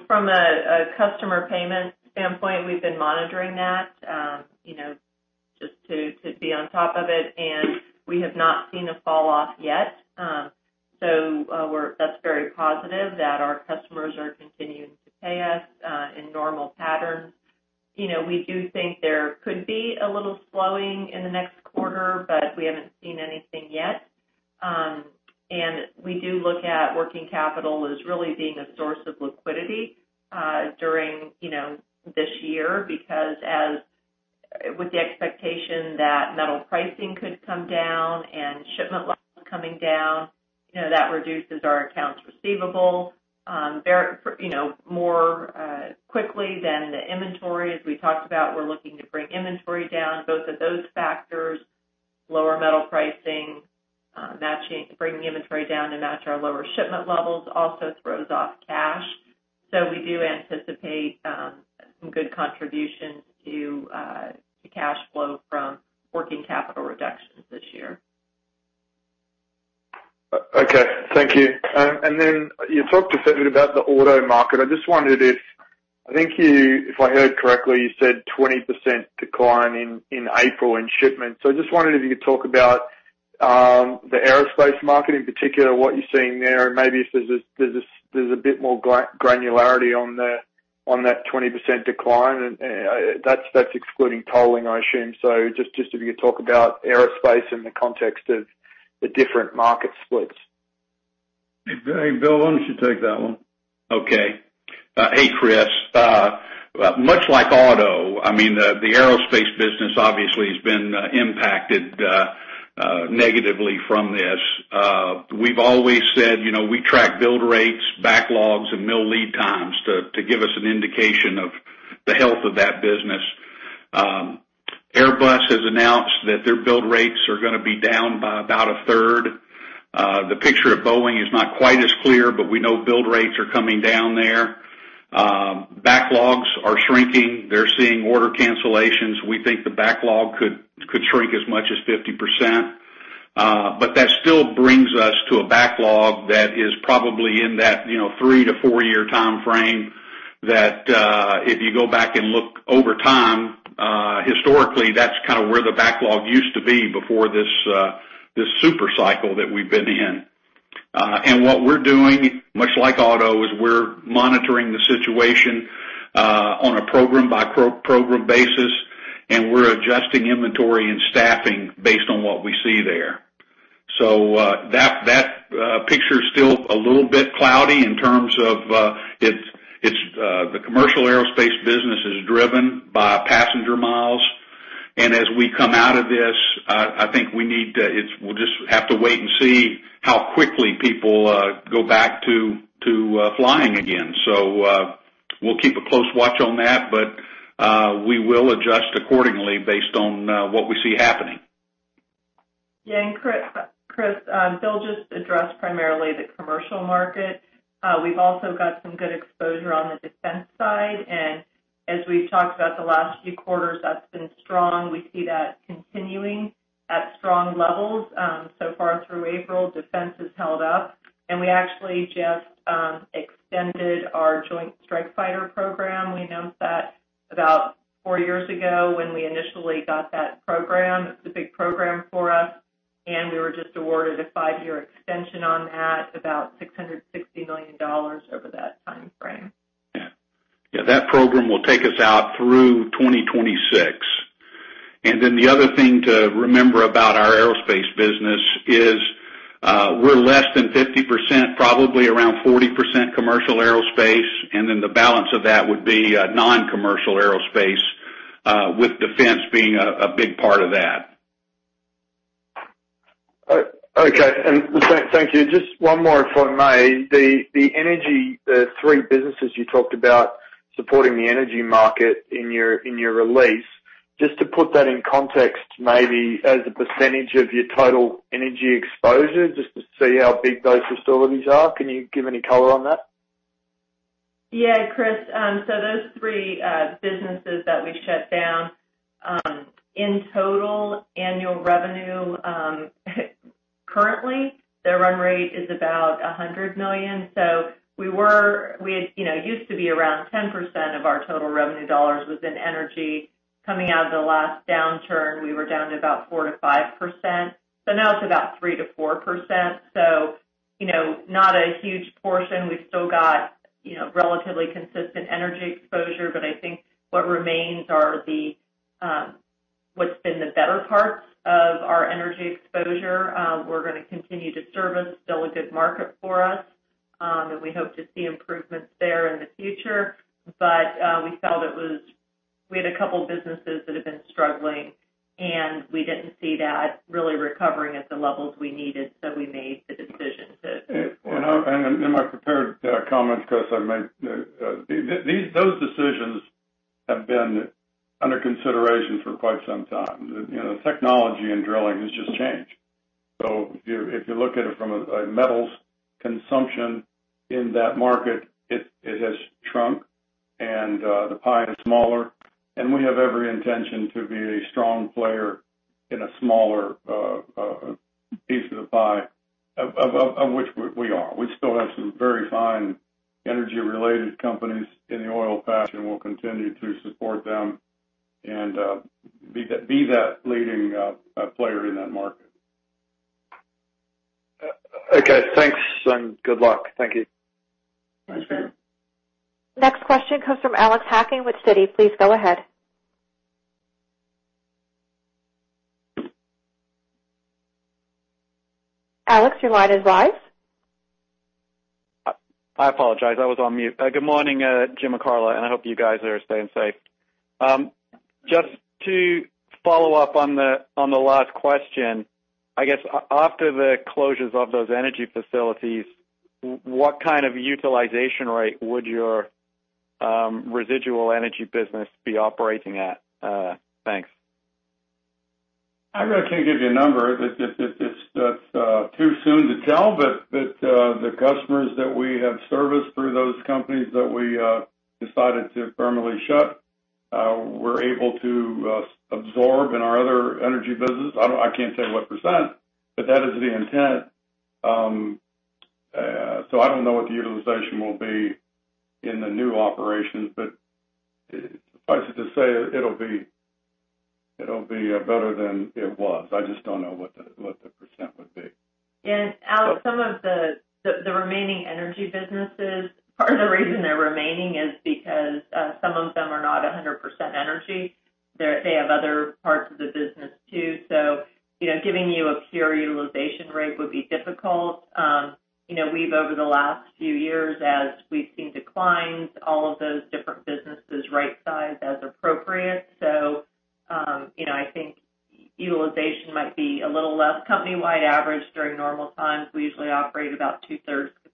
From a customer payment standpoint, we've been monitoring that, just to be on top of it, and we have not seen a fall off yet. That's very positive that our customers are continuing to pay us in normal patterns. We do think there could be a little slowing in the next quarter, but we haven't seen anything yet. We do look at working capital as really being a source of liquidity during this year because as with the expectation that metal pricing could come down and shipment levels coming down, that reduces our accounts receivable more quickly than the inventory. As we talked about, we're looking to bring inventory down. Both of those factors, lower metal pricing, bringing inventory down to match our lower shipment levels, also throws off cash. We do anticipate some good contributions to cash flow from working capital reductions this year. Okay. Thank you. You talked a bit about the auto market. I just wondered if I heard correctly, you said 20% decline in April in shipments. I just wondered if you could talk about the aerospace market in particular, what you're seeing there, and maybe if there's a bit more granularity on that 20% decline, and that's excluding tolling, I assume. Just if you could talk about aerospace in the context of the different market splits. Hey, Bill, why don't you take that one? Okay. Hey, Chris. Much like auto, the aerospace business obviously has been impacted negatively from this. We've always said we track build rates, backlogs, and mill lead times to give us an indication of the health of that business. Airbus has announced that their build rates are going to be down by about a third. The picture of Boeing is not quite as clear. We know build rates are coming down there. Backlogs are shrinking. They're seeing order cancellations. We think the backlog could shrink as much as 50%. That still brings us to a backlog that is probably in that three to four-year timeframe. That if you go back and look over time, historically, that's kind of where the backlog used to be before this super cycle that we've been in. What we're doing, much like auto, is we're monitoring the situation on a program-by-program basis, and we're adjusting inventory and staffing based on what we see there. That picture is still a little bit cloudy in terms of the commercial aerospace business is driven by passenger miles. As we come out of this, I think we'll just have to wait and see how quickly people go back to flying again. We'll keep a close watch on that, but we will adjust accordingly based on what we see happening. Yeah. Chris, Bill just addressed primarily the commercial market. We've also got some good exposure on the defense side, and as we've talked about the last few quarters, that's been strong. We see that continuing at strong levels. So far through April, defense has held up, and we actually just extended our Joint Strike Fighter program. We announced that about four years ago when we initially got that program. It's a big program for us, and we were just awarded a five-year extension on that, about $660 million over that timeframe. Yeah. That program will take us out through 2026. The other thing to remember about our aerospace business is we're less than 50%, probably around 40% commercial aerospace, and then the balance of that would be non-commercial aerospace, with defense being a big part of that. Okay. Thank you. Just one more, if I may. The energy, the three businesses you talked about supporting the energy market in your release, just to put that in context, maybe as a percentage of your total energy exposure, just to see how big those facilities are. Can you give any color on that? Yeah, Chris. Those three businesses that we shut down, in total annual revenue, currently, their run rate is about $100 million. It used to be around 10% of our total revenue dollars was in energy. Coming out of the last downturn, we were down to about 4%-5%. Now it's about 3%-4%. Not a huge portion. We've still got relatively consistent energy exposure, but I think what remains are what's been the better parts of our energy exposure. We're going to continue to service. Still a good market for us, and we hope to see improvements there in the future. We felt we had a couple businesses that have been struggling, and we didn't see that really recovering at the levels we needed. We made the decision to- In my prepared comments, Chris, I made those decisions have been under consideration for quite some time. Technology and drilling has just changed. If you look at it from a metals consumption in that market, it has shrunk, and the pie is smaller. We have every intention to be a strong player in a smaller piece of the pie, of which we are. We still have some very fine energy-related companies in the oil patch, and we'll continue to support them and be that leading player in that market. Okay, thanks, and good luck. Thank you. Thanks. Thanks. Next question comes from Alex Hacking with Citi. Please go ahead. Alex, your line is live. I apologize. I was on mute. Good morning Jim and Karla. I hope you guys are staying safe. Just to follow up on the last question. I guess, after the closures of those energy facilities, what kind of utilization rate would your residual energy business be operating at? Thanks. I really can't give you a number. That's too soon to tell, but the customers that we have serviced through those companies that we decided to permanently shut, we're able to absorb in our other energy business. I can't tell you what percent, but that is the intent. I don't know what the utilization will be in the new operations, but suffice it to say, it'll be better than it was. I just don't know what the percent would be. Alex, some of the remaining energy businesses, part of the reason they're remaining is because some of them are not 100% energy. They have other parts of the business too. Giving you a pure utilization rate would be difficult. We've, over the last few years, as we've seen declines, all of those different businesses right-sized as appropriate. I think utilization might be a little less company-wide average during normal times. We usually operate about two-thirds capacity. The energy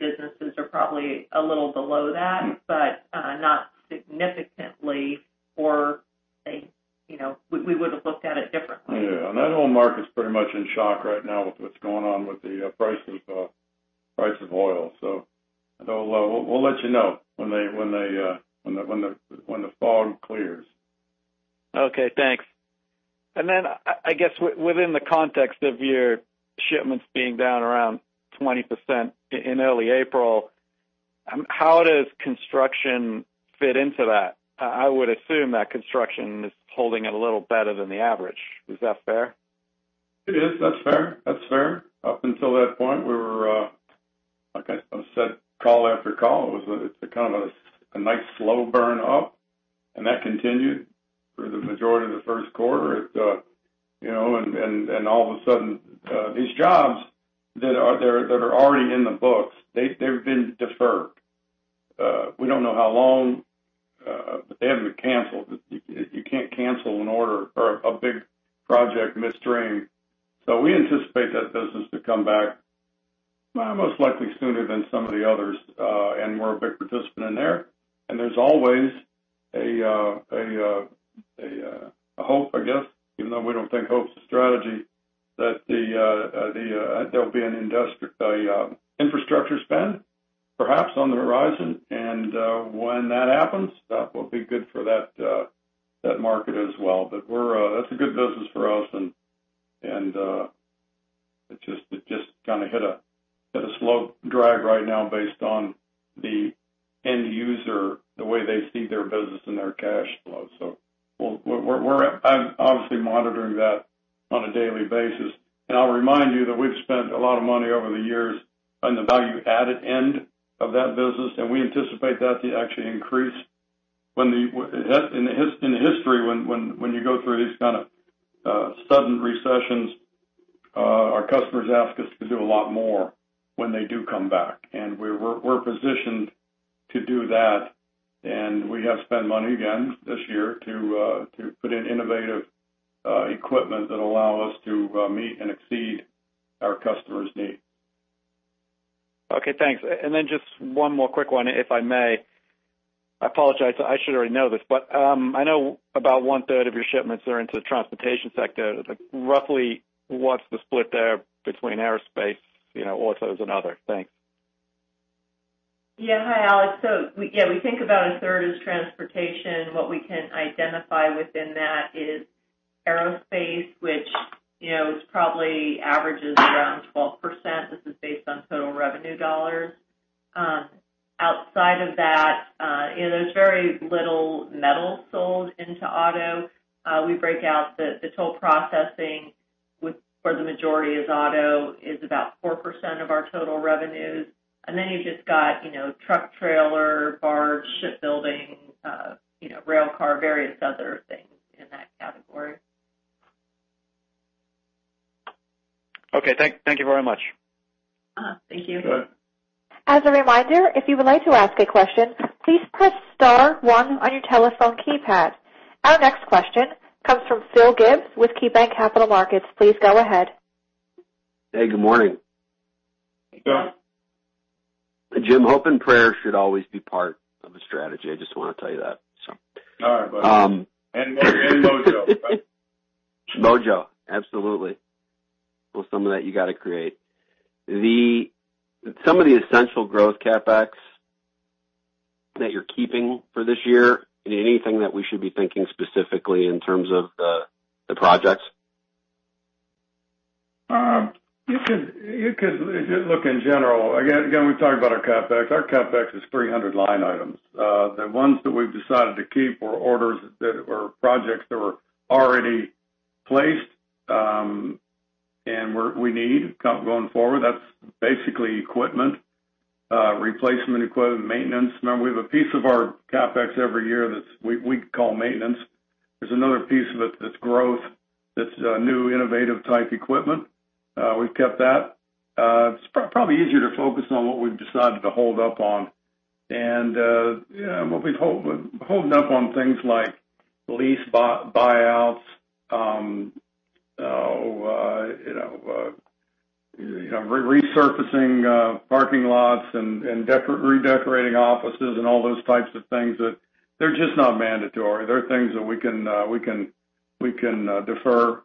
businesses are probably a little below that, but not significantly, or we would've looked at it differently. Yeah. That whole market's pretty much in shock right now with what's going on with the price of oil. We'll let you know when the fog clears. Okay, thanks. I guess within the context of your shipments being down around 20% in early April, how does construction fit into that? I would assume that construction is holding a little better than the average. Is that fair? It is. That's fair. Up until that point, we were, like I said, call after call. It was a nice slow burn up, and that continued through the majority of the first quarter. All of a sudden, these jobs that are already in the books, they've been deferred. We don't know how long. They haven't been canceled. You can't cancel an order or a big project midstream. We anticipate that business to come back. Most likely sooner than some of the others, and we're a big participant in there. There's always a hope, I guess, even though we don't think hope is a strategy, that there'll be an infrastructure spend, perhaps on the horizon. When that happens, that will be good for that market as well. That's a good business for us and it just hit a slow drag right now based on the end user, the way they see their business and their cash flow. We're obviously monitoring that on a daily basis. I'll remind you that we've spent a lot of money over the years on the value-added end of that business, and we anticipate that to actually increase. In history, when you go through these kind of sudden recessions, our customers ask us to do a lot more when they do come back. We're positioned to do that, and we have spent money again this year to put in innovative equipment that allow us to meet and exceed our customers' needs. Okay, thanks. Just one more quick one, if I may. I apologize, I should already know this, but I know about one-third of your shipments are into the transportation sector. Roughly, what's the split there between aerospace, autos, and other? Thanks. Yeah. Hi, Alex. We think about a third as transportation. What we can identify within that is aerospace, which probably averages around 12%. This is based on total revenue dollars. Outside of that, there's very little metal sold into auto. We break out the toll processing, where the majority is auto, is about 4% of our total revenues. You've just got truck, trailer, barge, shipbuilding, rail car, various other things in that category. Okay, thank you very much. Thank you. Sure. As a reminder, if you would like to ask a question, please press star one on your telephone keypad. Our next question comes from Phil Gibbs with KeyBanc Capital Markets. Please go ahead. Hey, good morning. Good. Jim, hope and prayer should always be part of a strategy. I just want to tell you that. All right, buddy. Mojo. Mojo. Absolutely. Well, some of that you got to create. Some of the essential growth CapEx that you're keeping for this year, anything that we should be thinking specifically in terms of the projects? You could look in general. We talked about our CapEx. Our CapEx is 300 line items. The ones that we've decided to keep were orders that were projects that were already placed, and we need going forward. That's basically equipment, replacement equipment, maintenance. Remember, we have a piece of our CapEx every year that we call maintenance. There's another piece of it that's growth, that's new, innovative-type equipment. We've kept that. It's probably easier to focus on what we've decided to hold up on. We'll be holding up on things like lease buyouts, resurfacing parking lots and redecorating offices and all those types of things that, they're just not mandatory. They're things that we can defer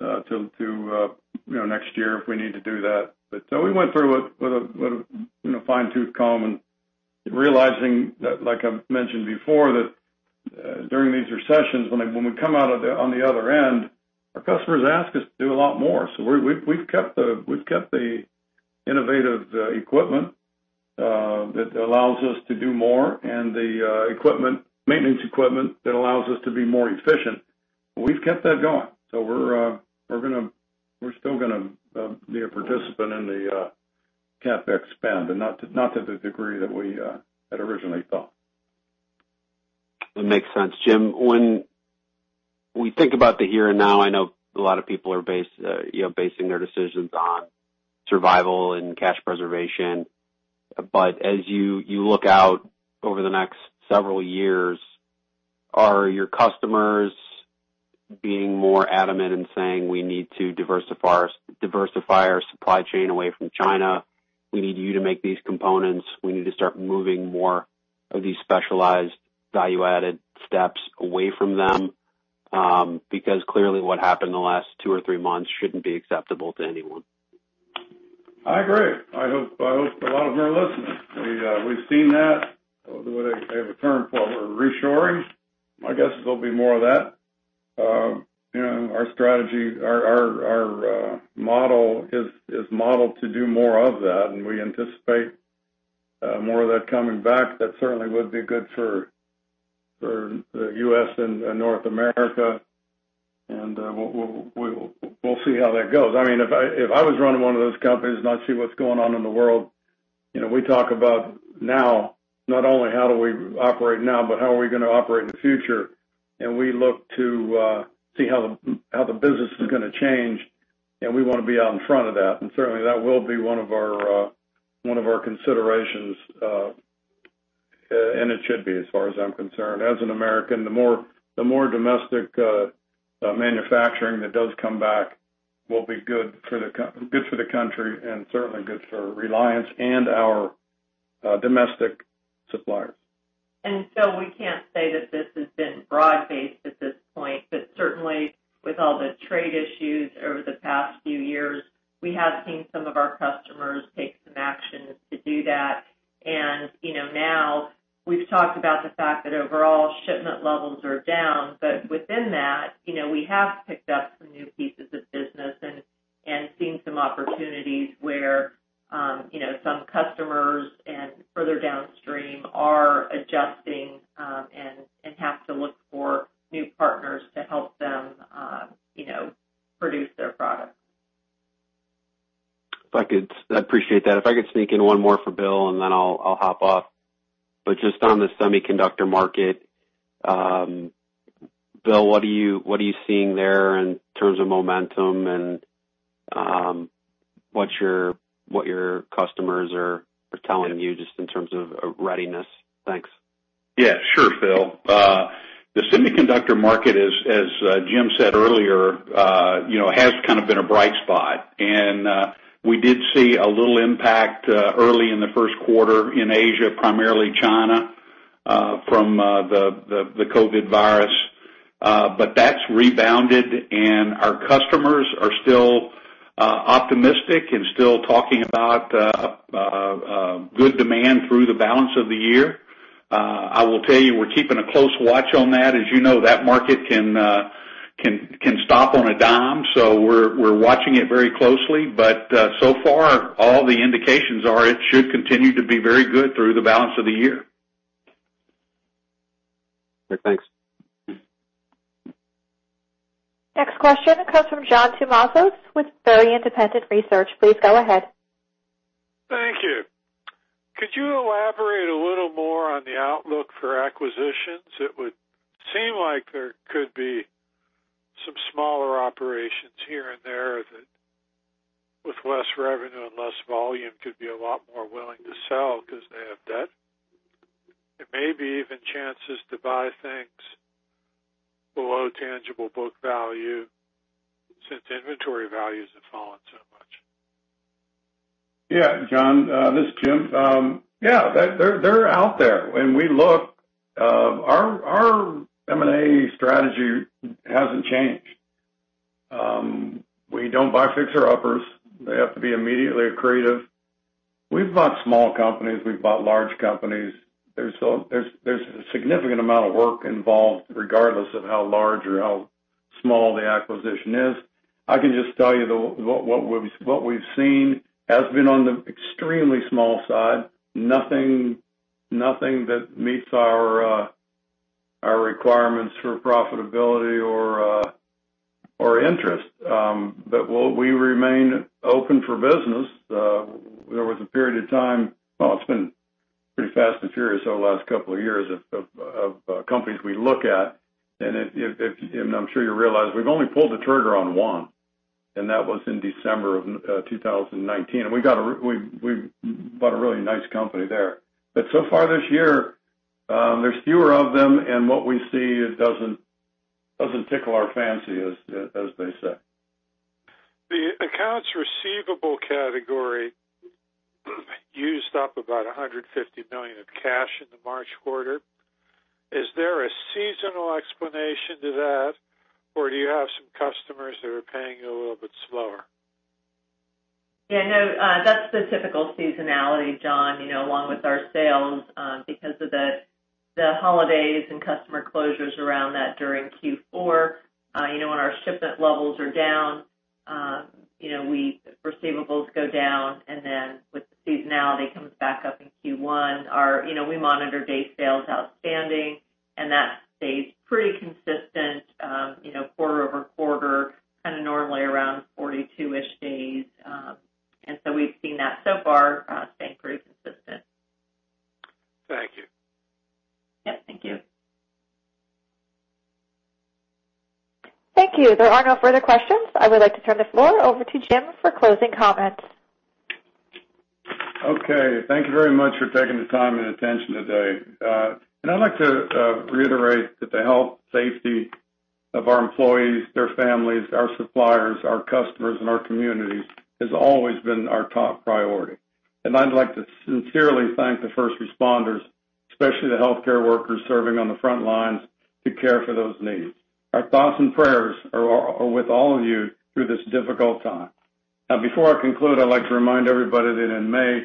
to next year if we need to do that. We went through with a fine-tooth comb and realizing that, like I mentioned before, that during these recessions, when we come out on the other end, our customers ask us to do a lot more. We've kept the innovative equipment that allows us to do more, and the maintenance equipment that allows us to be more efficient. We've kept that going. We're still going to be a participant in the CapEx spend, and not to the degree that we had originally thought. That makes sense, Jim. When we think about the here and now, I know a lot of people are basing their decisions on survival and cash preservation. As you look out over the next several years, are your customers being more adamant in saying, "We need to diversify our supply chain away from China. We need you to make these components. We need to start moving more of these specialized value-added steps away from them." Clearly what happened in the last two or three months shouldn't be acceptable to anyone. I agree. I hope a lot of them are listening. We've seen that. They have a term for it, reshoring. My guess is there'll be more of that. Our model is modeled to do more of that. We anticipate more of that coming back. That certainly would be good for the U.S. and North America. We'll see how that goes. If I was running one of those companies, I'd see what's going on in the world. We talk about now, not only how do we operate now, but how are we going to operate in the future? We look to see how the business is going to change. We want to be out in front of that. Certainly, that will be one of our considerations. It should be, as far as I'm concerned. As an American, the more domestic manufacturing that does come back will be good for the country and certainly good for Reliance and our domestic suppliers. We can't say that this has been broad-based at this point. Certainly with all the trade issues over the past few years, we have seen some of our customers take some actions to do that. Now we've talked about the fact that overall shipment levels are down, but within that, we have picked up some new pieces of business and seen some opportunities where some customers and further downstream are adjusting and have to look for new partners to help them produce their products. I appreciate that. If I could sneak in one more for Bill, and then I'll hop off. Just on the semiconductor market, Bill, what are you seeing there in terms of momentum and what your customers are telling you just in terms of readiness? Thanks. Yeah. Sure, Phil. The semiconductor market, as Jim said earlier, has kind of been a bright spot. We did see a little impact early in the first quarter in Asia, primarily China, from the COVID virus. That's rebounded, and our customers are still optimistic and still talking about good demand through the balance of the year. I will tell you, we're keeping a close watch on that. As you know, that market can stop on a dime. We're watching it very closely. So far, all the indications are it should continue to be very good through the balance of the year. Okay, thanks. Next question comes from John Tumazos with Very Independent Research. Please go ahead. Thank you. Could you elaborate a little more on the outlook for acquisitions? It would seem like there could be some smaller operations here and there that with less revenue and less volume could be a lot more willing to sell because they have debt. There may be even chances to buy things below tangible book value since inventory values have fallen so much. Yeah, John. This is Jim. Yeah, they're out there. We look. Our M&A strategy hasn't changed. We don't buy fixer-uppers. They have to be immediately accretive. We've bought small companies. We've bought large companies. There's a significant amount of work involved regardless of how large or how small the acquisition is. I can just tell you what we've seen has been on the extremely small side. Nothing that meets our requirements for profitability or interest. We remain open for business. Well, it's been pretty fast and furious over the last couple of years of companies we look at. I'm sure you realize we've only pulled the trigger on one, and that was in December of 2019. We bought a really nice company there. So far this year, there's fewer of them, and what we see doesn't tickle our fancy, as they say. The accounts receivable category used up about $150 million of cash in the March quarter. Is there a seasonal explanation to that, or do you have some customers that are paying you a little bit slower? Yeah. No. That's the typical seasonality, John, along with our sales, because of the holidays and customer closures around that during Q4. When our shipment levels are down, receivables go down, then with the seasonality comes back up in Q1. We monitor day sales outstanding, and that stays pretty consistent quarter-over-quarter, kind of normally around 42-ish days. We've seen that so far staying pretty consistent. Thank you. Yeah. Thank you. Thank you. There are no further questions. I would like to turn the floor over to Jim for closing comments. Thank you very much for taking the time and attention today. I'd like to reiterate that the health safety of our employees, their families, our suppliers, our customers, and our communities has always been our top priority. I'd like to sincerely thank the first responders, especially the healthcare workers serving on the front lines to care for those needs. Our thoughts and prayers are with all of you through this difficult time. Before I conclude, I'd like to remind everybody that in May,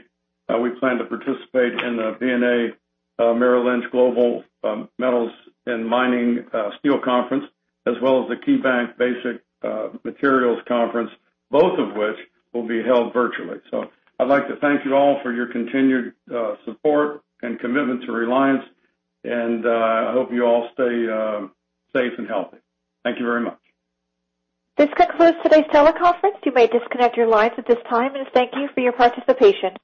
we plan to participate in the BofA Global Metals, Mining & Steel Conference, as well as the KeyBanc Basic Materials Conference, both of which will be held virtually. I'd like to thank you all for your continued support and commitment to Reliance, and I hope you all stay safe and healthy. Thank you very much. This concludes today's teleconference. You may disconnect your lines at this time, and thank you for your participation.